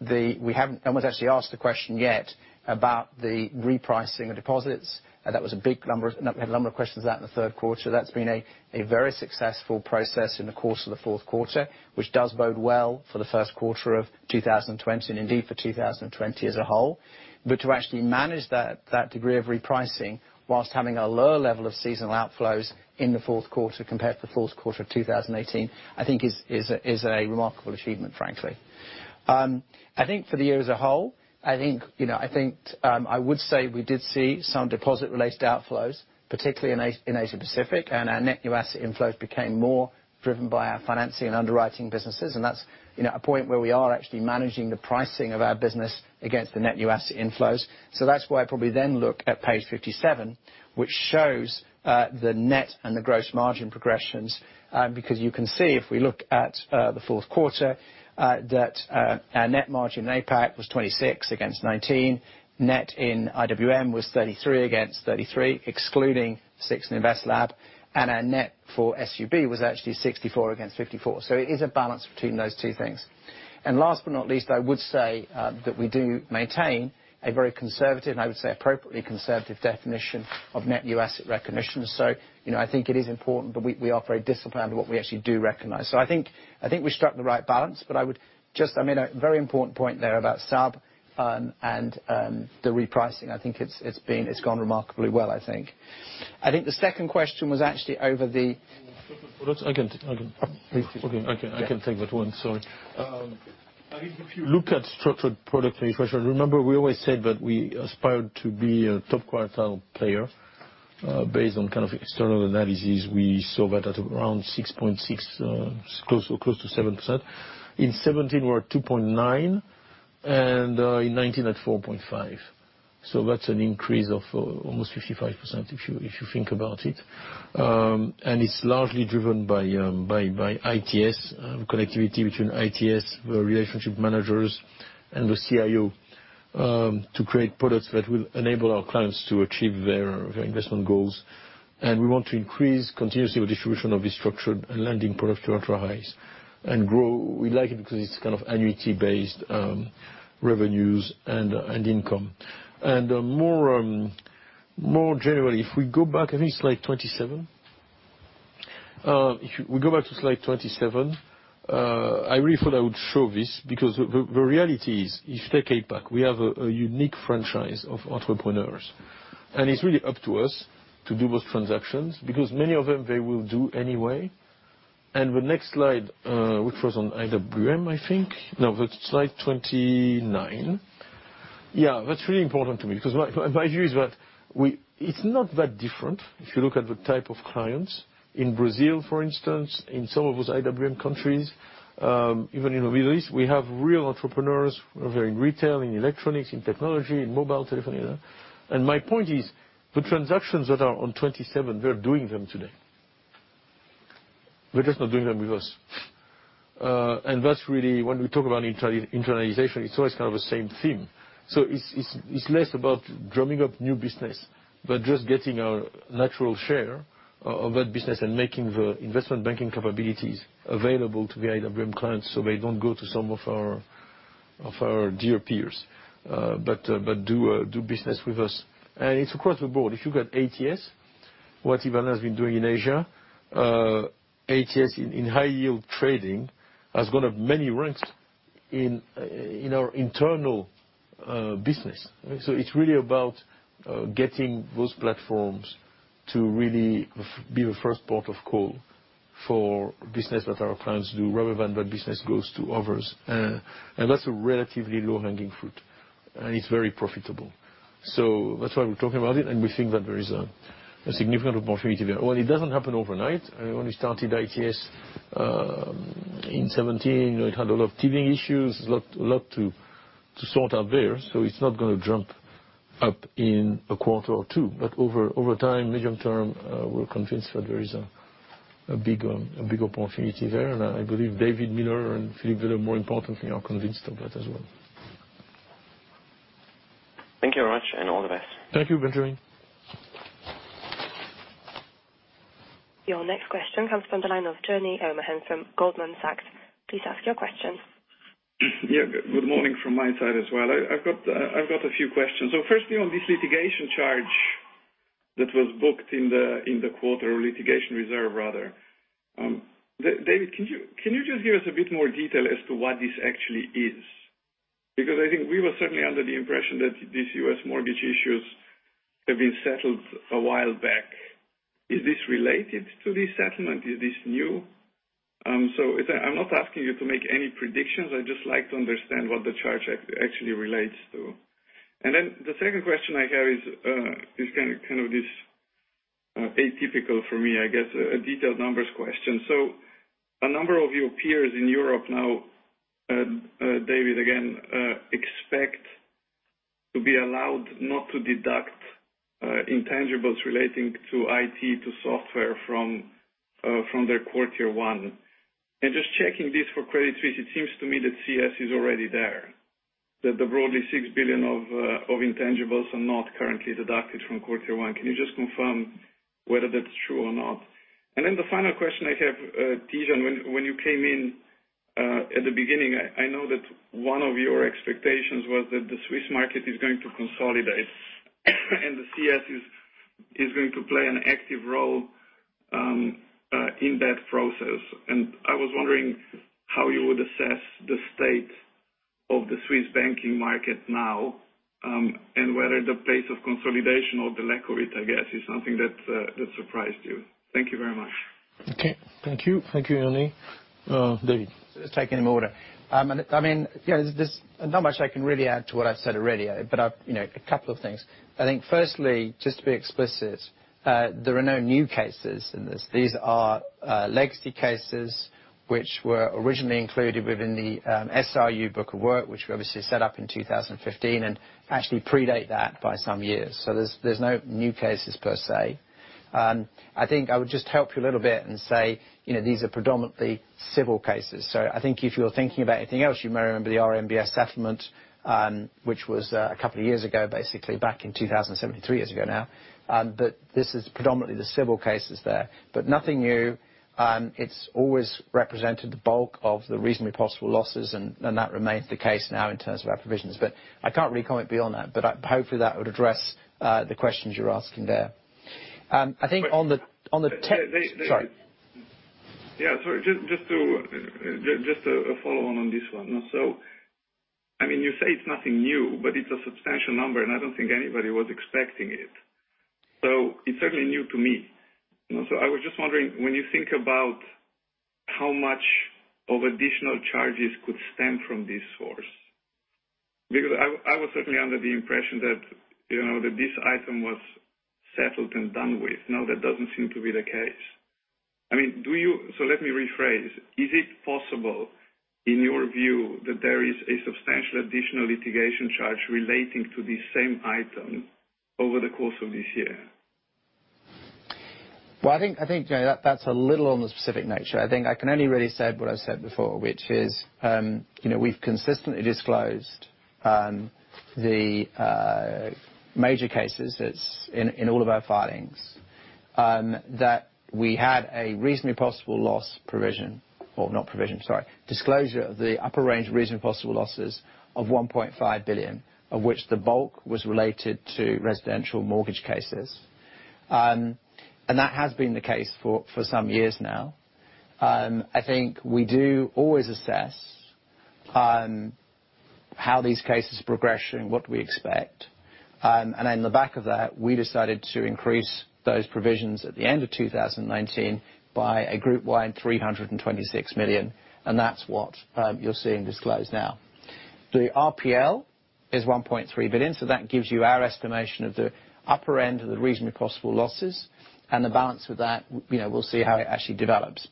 one's actually asked the question yet about the repricing of deposits. We had a number of questions of that in the third quarter. That's been a very successful process in the course of the fourth quarter, which does bode well for the first quarter of 2020, and indeed for 2020 as a whole. To actually manage that degree of repricing whilst having a lower level of seasonal outflows in the fourth quarter compared to the fourth quarter of 2018, I think is a remarkable achievement, frankly. I think for the year as a whole, I would say we did see some deposit related outflows, particularly in Asia-Pacific, and our net new asset inflows became more driven by our financing and underwriting businesses. That's a point where we are actually managing the pricing of our business against the net new asset inflows. That's why I probably then look at page 57, which shows the net and the gross margin progressions. You can see if we look at the fourth quarter, that our net margin in APAC was 26 against 19. Net in IWM was 33 against 33, excluding SIX in InvestLab. Our net for SUB was actually 64 against 54. It is a balance between those two things. Last but not least, I would say that we do maintain a very conservative, and I would say appropriately conservative definition of net new asset recognition. I think it is important that we are very disciplined in what we actually do recognize. I think we struck the right balance, but I made a very important point there about SUB and the repricing. It's gone remarkably well, I think. I think the second question was actually. I can take that one, sorry. If you look at structured product integration, remember, we always said that we aspire to be a top quartile player. Based on external analysis, we saw that at around 6.6, close to 7%. In 2017, we were at 2.9, and in 2019 at 4.5. That's an increase of almost 55%, if you think about it. It's largely driven by ITS connectivity between ITS, the relationship managers, and the CIO, to create products that will enable our clients to achieve their investment goals. We want to increase continuously the distribution of this structured lending product to ultra highs and grow. We like it because it's annuity-based revenues and income. More generally, if we go back, I think it's slide 27. If we go back to slide 27, I really thought I would show this, because the reality is, if you take APAC, we have a unique franchise of entrepreneurs. It's really up to us to do those transactions, because many of them, they will do anyway. The next slide, which was on IWM, I think. No, that's slide 29. Yeah, that's really important to me, because my view is that it's not that different if you look at the type of clients in Brazil, for instance, in some of those IWM countries. Even in the Middle East, we have real entrepreneurs who are very retail in electronics, in technology, in mobile telephone. My point is, the transactions that are on 27, we're doing them today. They're just not doing them with us. That's really when we talk about internalization, it's always kind of the same theme. It's less about drumming up new business, but just getting a natural share of that business and making the Investment Banking capabilities available to the IWM clients so they don't go to some of our dear peers, but do business with us. It's across the board. If you've got ATS, what Ivan has been doing in Asia, ATS in high-yield trading has gone up many ranks in our internal business. It's really about getting those platforms to really be the first port of call for business that our clients do, rather than that business goes to others. That's a relatively low-hanging fruit, and it's very profitable. That's why we're talking about it, and we think that there is a significant opportunity there. It doesn't happen overnight. When we started ITS in 2017, it had a lot of teething issues, a lot to sort out there. It's not going to jump up in a quarter or two. Over time, medium term, we're convinced that there is a big opportunity there. I believe David Miller and Philipp Wehle, more importantly, are convinced of that as well. Thank you very much, and all the best. Thank you, Benjamin. Your next question comes from the line of Jernej Omahen from Goldman Sachs. Please ask your question. Yeah. Good morning from my side as well. I've got a few questions. Firstly, on this litigation charge that was booked in the quarter, or litigation reserve rather. David, can you just give us a bit more detail as to what this actually is? I think we were certainly under the impression that these U.S. mortgage issues have been settled a while back. Is this related to this settlement? Is this new? I'm not asking you to make any predictions. I'd just like to understand what the charge actually relates to. The second question I have is kind of this atypical for me, I guess, a detailed numbers question. A number of your peers in Europe now, David, again, expect to be allowed not to deduct intangibles relating to IT, to software from their quarter one. Just checking this for Credit Suisse, it seems to me that CS is already there, that the broadly 6 billion of intangibles are not currently deducted from quarter one. Can you just confirm whether that's true or not? The final question I have, Tidjane, when you came in at the beginning, I know that one of your expectations was that the Swiss market is going to consolidate, and CS is going to play an active role in that process. I was wondering how you would assess the state of the Swiss banking market now, and whether the pace of consolidation or the lack of it, I guess, is something that surprised you. Thank you very much. Okay. Thank you. Thank you, Jernej. David. Let's take them in order. There's not much I can really add to what I've said already, but a couple of things. Just to be explicit, there are no new cases in this. These are legacy cases which were originally included within the SRU book of work, which we obviously set up in 2015 and actually predate that by some years. There's no new cases per se. I would just help you a little bit and say, these are predominantly civil cases. If you're thinking about anything else, you may remember the RMBS settlement, which was a couple of years ago, basically back in 2017, three years ago now. This is predominantly the civil cases there. Nothing new. It's always represented the bulk of the reasonably possible losses, and that remains the case now in terms of our provisions. I can't really comment beyond that, but hopefully that would address the questions you're asking there. David- Sorry. Yeah. Sorry, just a follow-on this one. You say it's nothing new, but it's a substantial number, and I don't think anybody was expecting it. It's certainly new to me. I was just wondering, when you think about how much of additional charges could stem from this source. Because I was certainly under the impression that this item was settled and done with. Now that doesn't seem to be the case. Let me rephrase. Is it possible, in your view, that there is a substantial additional litigation charge relating to this same item over the course of this year? Well, I think, Jernej, that's a little on the specific nature. I think I can only really say what I've said before, which is we've consistently disclosed the major cases in all of our filings, that we had a reasonably possible loss provision. Well, not provision, sorry. Disclosure of the upper range reasonably possible losses of 1.5 billion, of which the bulk was related to residential mortgage cases. That has been the case for some years now. I think we do always assess how these cases progression, what we expect. In the back of that, we decided to increase those provisions at the end of 2019 by a groupwide 326 million, and that's what you're seeing disclosed now. The RPL is 1.3 billion, that gives you our estimation of the upper end of the reasonably possible losses, and the balance with that, we'll see how it actually develops.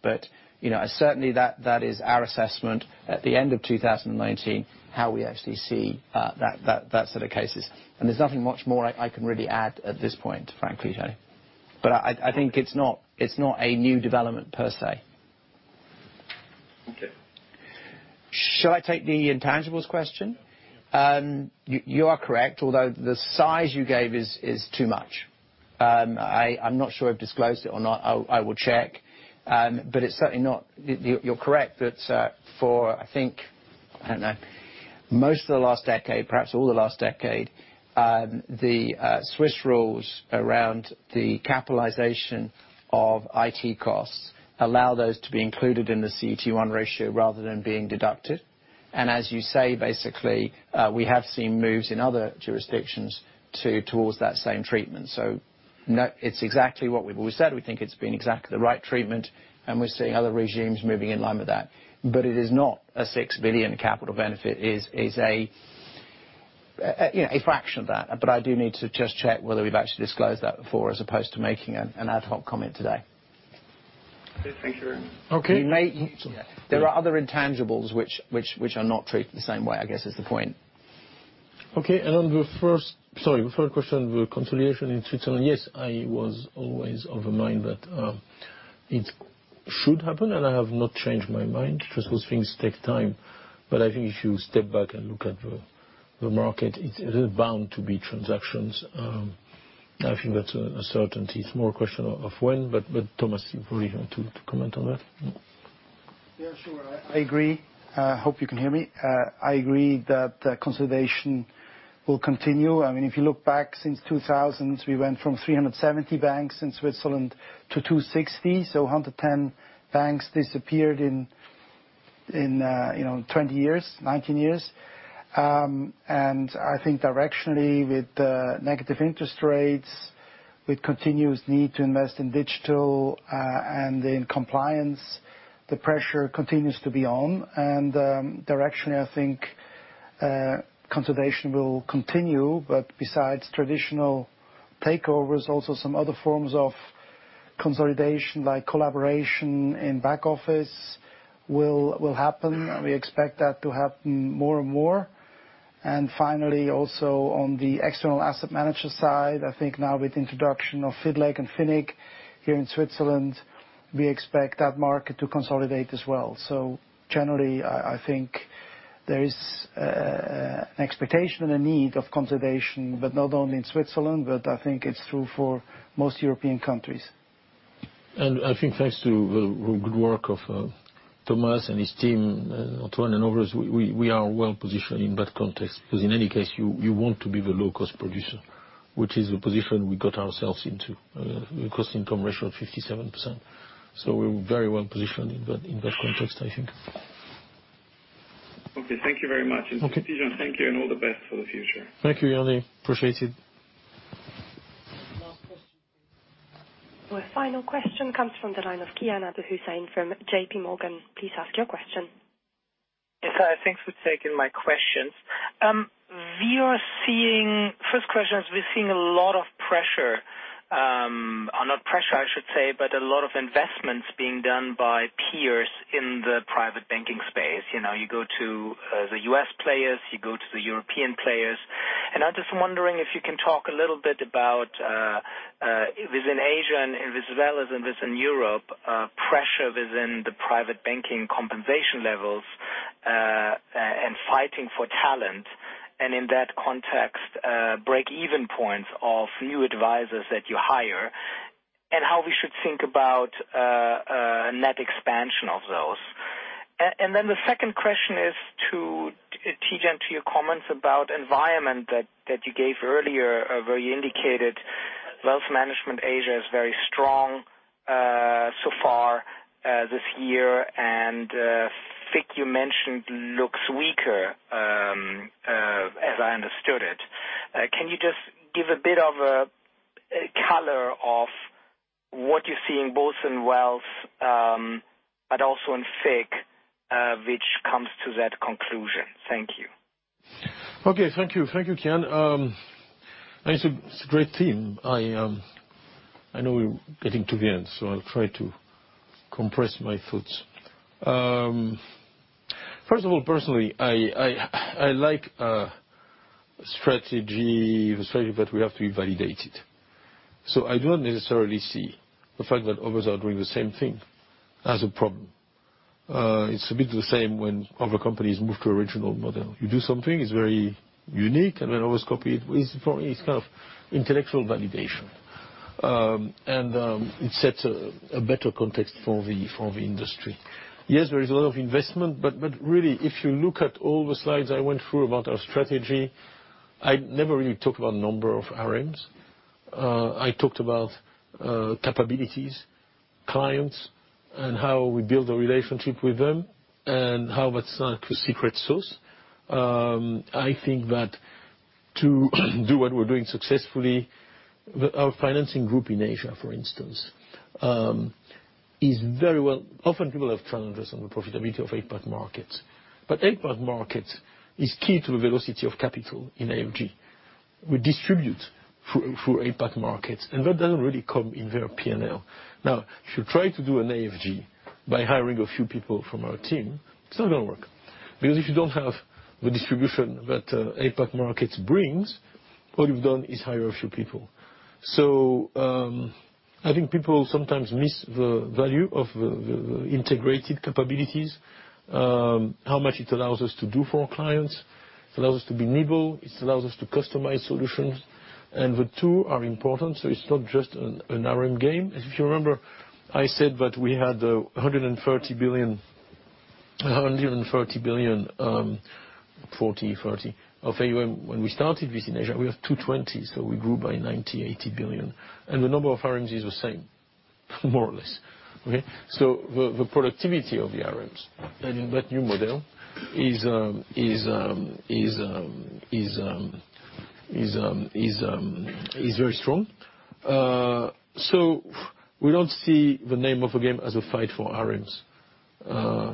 Certainly, that is our assessment at the end of 2019, how we actually see that sort of cases. There's nothing much more I can really add at this point, frankly, Jernej. I think it's not a new development per se. Okay. Shall I take the intangibles question? You are correct, although the size you gave is too much. I'm not sure I've disclosed it or not. I will check. You're correct, that for, I think, I don't know, most of the last decade, perhaps all the last decade, the Swiss rules around the capitalization of IT costs allow those to be included in the CET1 ratio rather than being deducted. As you say, basically, we have seen moves in other jurisdictions towards that same treatment. It's exactly what we've always said. We think it's been exactly the right treatment, and we're seeing other regimes moving in line with that. It is not a 6 billion capital benefit, it's a fraction of that. I do need to just check whether we've actually disclosed that before as opposed to making an ad hoc comment today. Okay, thank you very much. There are other intangibles which are not treated the same way, I guess is the point. Okay. On the first question, the consolidation in Switzerland, yes, I was always of the mind that it should happen, and I have not changed my mind. Just those things take time. I think if you step back and look at the market, it is bound to be transactions. I think that's a certainty. It's more a question of when, but Thomas, you probably want to comment on that. Yeah, sure. I agree. Hope you can hear me. I agree that consolidation will continue. If you look back since 2000, we went from 370 banks in Switzerland to 260, so 110 banks disappeared in 19 years. I think directionally, with negative interest rates, with continuous need to invest in digital and in compliance, the pressure continues to be on. Directionally, I think consolidation will continue, but besides traditional takeovers, also some other forms of consolidation, like collaboration in back office will happen, and we expect that to happen more and more. Finally, also on the external asset manager side, I think now with the introduction of FIDLEG and FINIG here in Switzerland, we expect that market to consolidate as well. Generally, I think there is an expectation and a need of consolidation, but not only in Switzerland, but I think it's true for most European countries. I think thanks to the good work of Thomas and his team, Antoine and others, we are well positioned in that context, because in any case, you want to be the low-cost producer, which is the position we got ourselves into. Cost-income ratio of 57%. We're very well positioned in that context, I think. Okay, thank you very much. Okay. To the team, thank you, and all the best for the future. Thank you, Jernej. Appreciate it. Last question please. Our final question comes from the line of Kian Abouhossein from JPMorgan. Please ask your question. Yes. Thanks for taking my questions. First question is, we're seeing a lot of pressure, or not pressure I should say, but a lot of investments being done by peers in the private banking space. You go to the U.S. players, you go to the European players. I'm just wondering if you can talk a little bit about within Asia, and as well as within Europe, pressure within the private banking compensation levels, and fighting for talent, and in that context, break-even points of new advisors that you hire, and how we should think about net expansion of those. The second question is to, Tidjane, to your comments about environment that you gave earlier, where you indicated Wealth Management Asia is very strong so far this year. FICC, you mentioned looks weaker, as I understood it. Can you just give a bit of a color of what you see in both in wealth, but also in FIC, which comes to that conclusion? Thank you. Thank you, Kian. It's a great team. I know we're getting to the end, so I'll try to compress my thoughts. First of all, personally, I like a strategy, but we have to be validated. I don't necessarily see the fact that others are doing the same thing as a problem. It's a bit the same when other companies move to original model. You do something, it's very unique, and then others copy it. For me, it's intellectual validation. It sets a better context for the industry. Yes, there is a lot of investment, but really, if you look at all the slides I went through about our strategy, I never really talked about number of RMs. I talked about capabilities, clients, and how we build a relationship with them, and how that's like a secret sauce. I think that to do what we're doing successfully, our financing group in Asia, for instance, often people have trouble understanding the profitability of Asia-Pacific markets. Asia-Pacific market is key to the velocity of capital in AMG. We distribute through Asia-Pacific markets, and that doesn't really come in their P&L. If you try to do an AFG by hiring a few people from our team, it's not going to work. If you don't have the distribution that Asia-Pacific markets brings, all you've done is hire a few people. I think people sometimes miss the value of the integrated capabilities, how much it allows us to do for our clients. It allows us to be nimble, it allows us to customize solutions. The two are important, so it's not just an RM game. If you remember, I said that we had 140 billion of AUM when we started this in Asia. We have 220 billion, we grew by 90 billion, 80 billion. The number of RMs is the same, more or less. Okay? The productivity of the RMs and that new model is very strong. We don't see the name of a game as a fight for RMs.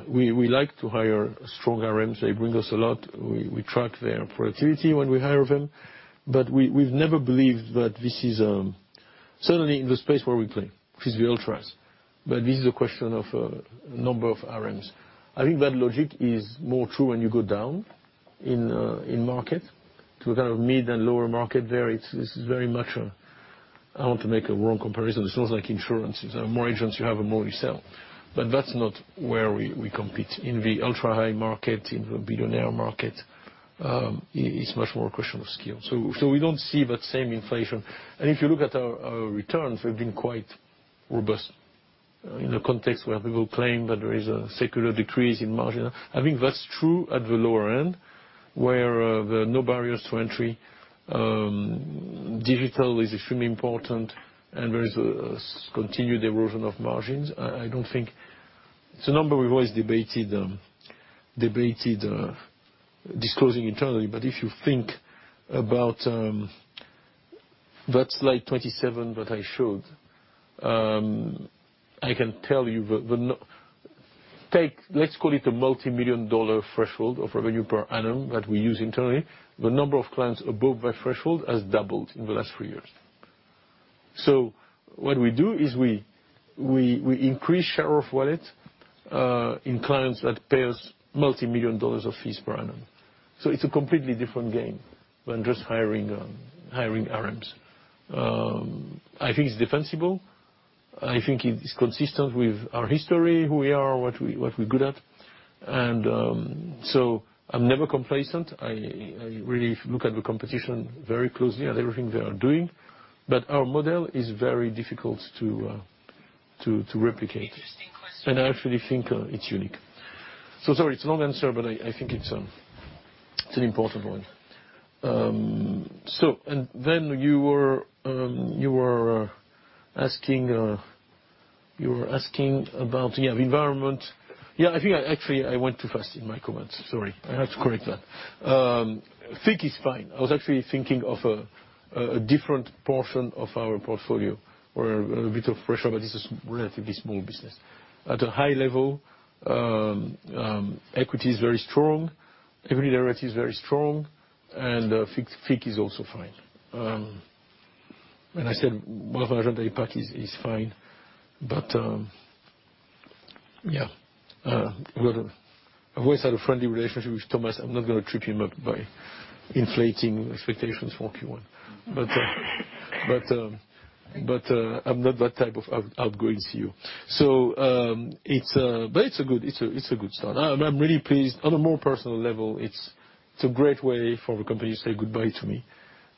We like to hire strong RMs. They bring us a lot. We track their productivity when we hire them. We've never believed that this is Certainly, in the space where we play, which is the ultras, that this is a question of number of RMs. I think that logic is more true when you go down in market, to a kind of mid and lower market there. It's very much a, I don't want to make a wrong comparison. It's not like insurance. The more agents you have, the more you sell. That's not where we compete. In the ultra-high market, in the billionaire market, it's much more a question of skill. We don't see that same inflation. If you look at our returns, we've been quite robust in a context where people claim that there is a secular decrease in margin. I think that's true at the lower end, where there are no barriers to entry. Digital is extremely important, and there is a continued erosion of margins. It's a number we've always debated disclosing internally. If you think about that slide 27 that I showed, I can tell you, let's call it a multimillion-dollar threshold of revenue per annum that we use internally. The number of clients above that threshold has doubled in the last three years. What we do is we increase share of wallet, in clients that pay us multimillion dollars of fees per annum. It's a completely different game than just hiring RMs. I think it's defensible. I think it is consistent with our history, who we are, what we're good at. I'm never complacent. I really look at the competition very closely and everything they are doing, but our model is very difficult to replicate. ====Interesting question. I actually think it's unique. Sorry, it's a long answer, but I think it's an important one. You were asking about, yeah, environment. I think actually I went too fast in my comments, sorry. I have to correct that. FICC is fine. I was actually thinking of a different portion of our portfolio where a bit of pressure, but this is relatively small business. At a high level, equity is very strong, equity direct is very strong, and FICC is also fine. I said Wealth Management Asia-Pacific is fine. Yeah. I've always had a friendly relationship with Thomas. I'm not going to trip him up by inflating expectations for Q1. I'm not that type of outgoing CEO. It's a good start. I'm really pleased. On a more personal level, it's a great way for the company to say goodbye to me.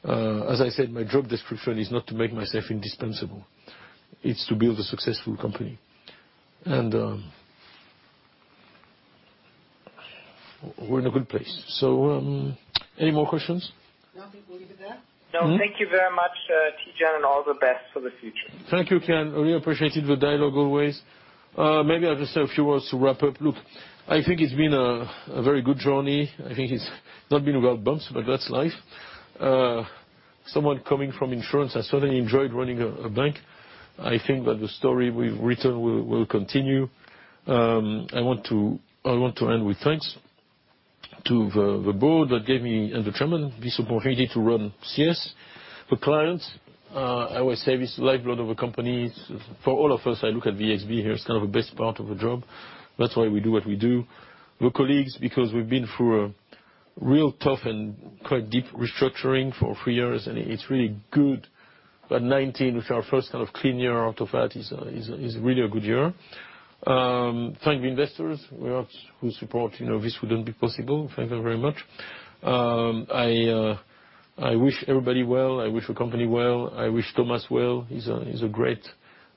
As I said, my job description is not to make myself indispensable. It's to build a successful company. We're in a good place. Any more questions? No, I think we'll leave it there. No, thank you very much, Tidjane, and all the best for the future. Thank you, Kian. I really appreciated the dialogue always. Maybe I'll just say a few words to wrap up. Look, I think it's been a very good journey. I think it's not been without bumps, but that's life. Someone coming from insurance, I certainly enjoyed running a bank. I think that the story we've written will continue. I want to end with thanks to the board that gave me and the chairman this opportunity to run CS. For clients, I always say it's the lifeblood of a company. For all of us, I look at ExB here as kind of a best part of the job. That's why we do what we do. The colleagues, because we've been through a real tough and quite deep restructuring for three years, and it's really good that 2019, which our first kind of clean year out of that, is really a good year. Thank the investors, without whose support this wouldn't be possible. Thank you very much. I wish everybody well. I wish the company well. I wish Thomas well. He's a great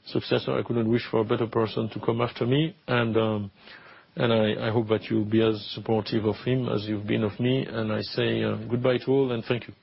successor. I couldn't wish for a better person to come after me, and I hope that you'll be as supportive of him as you've been of me, and I say goodbye to all, and thank you.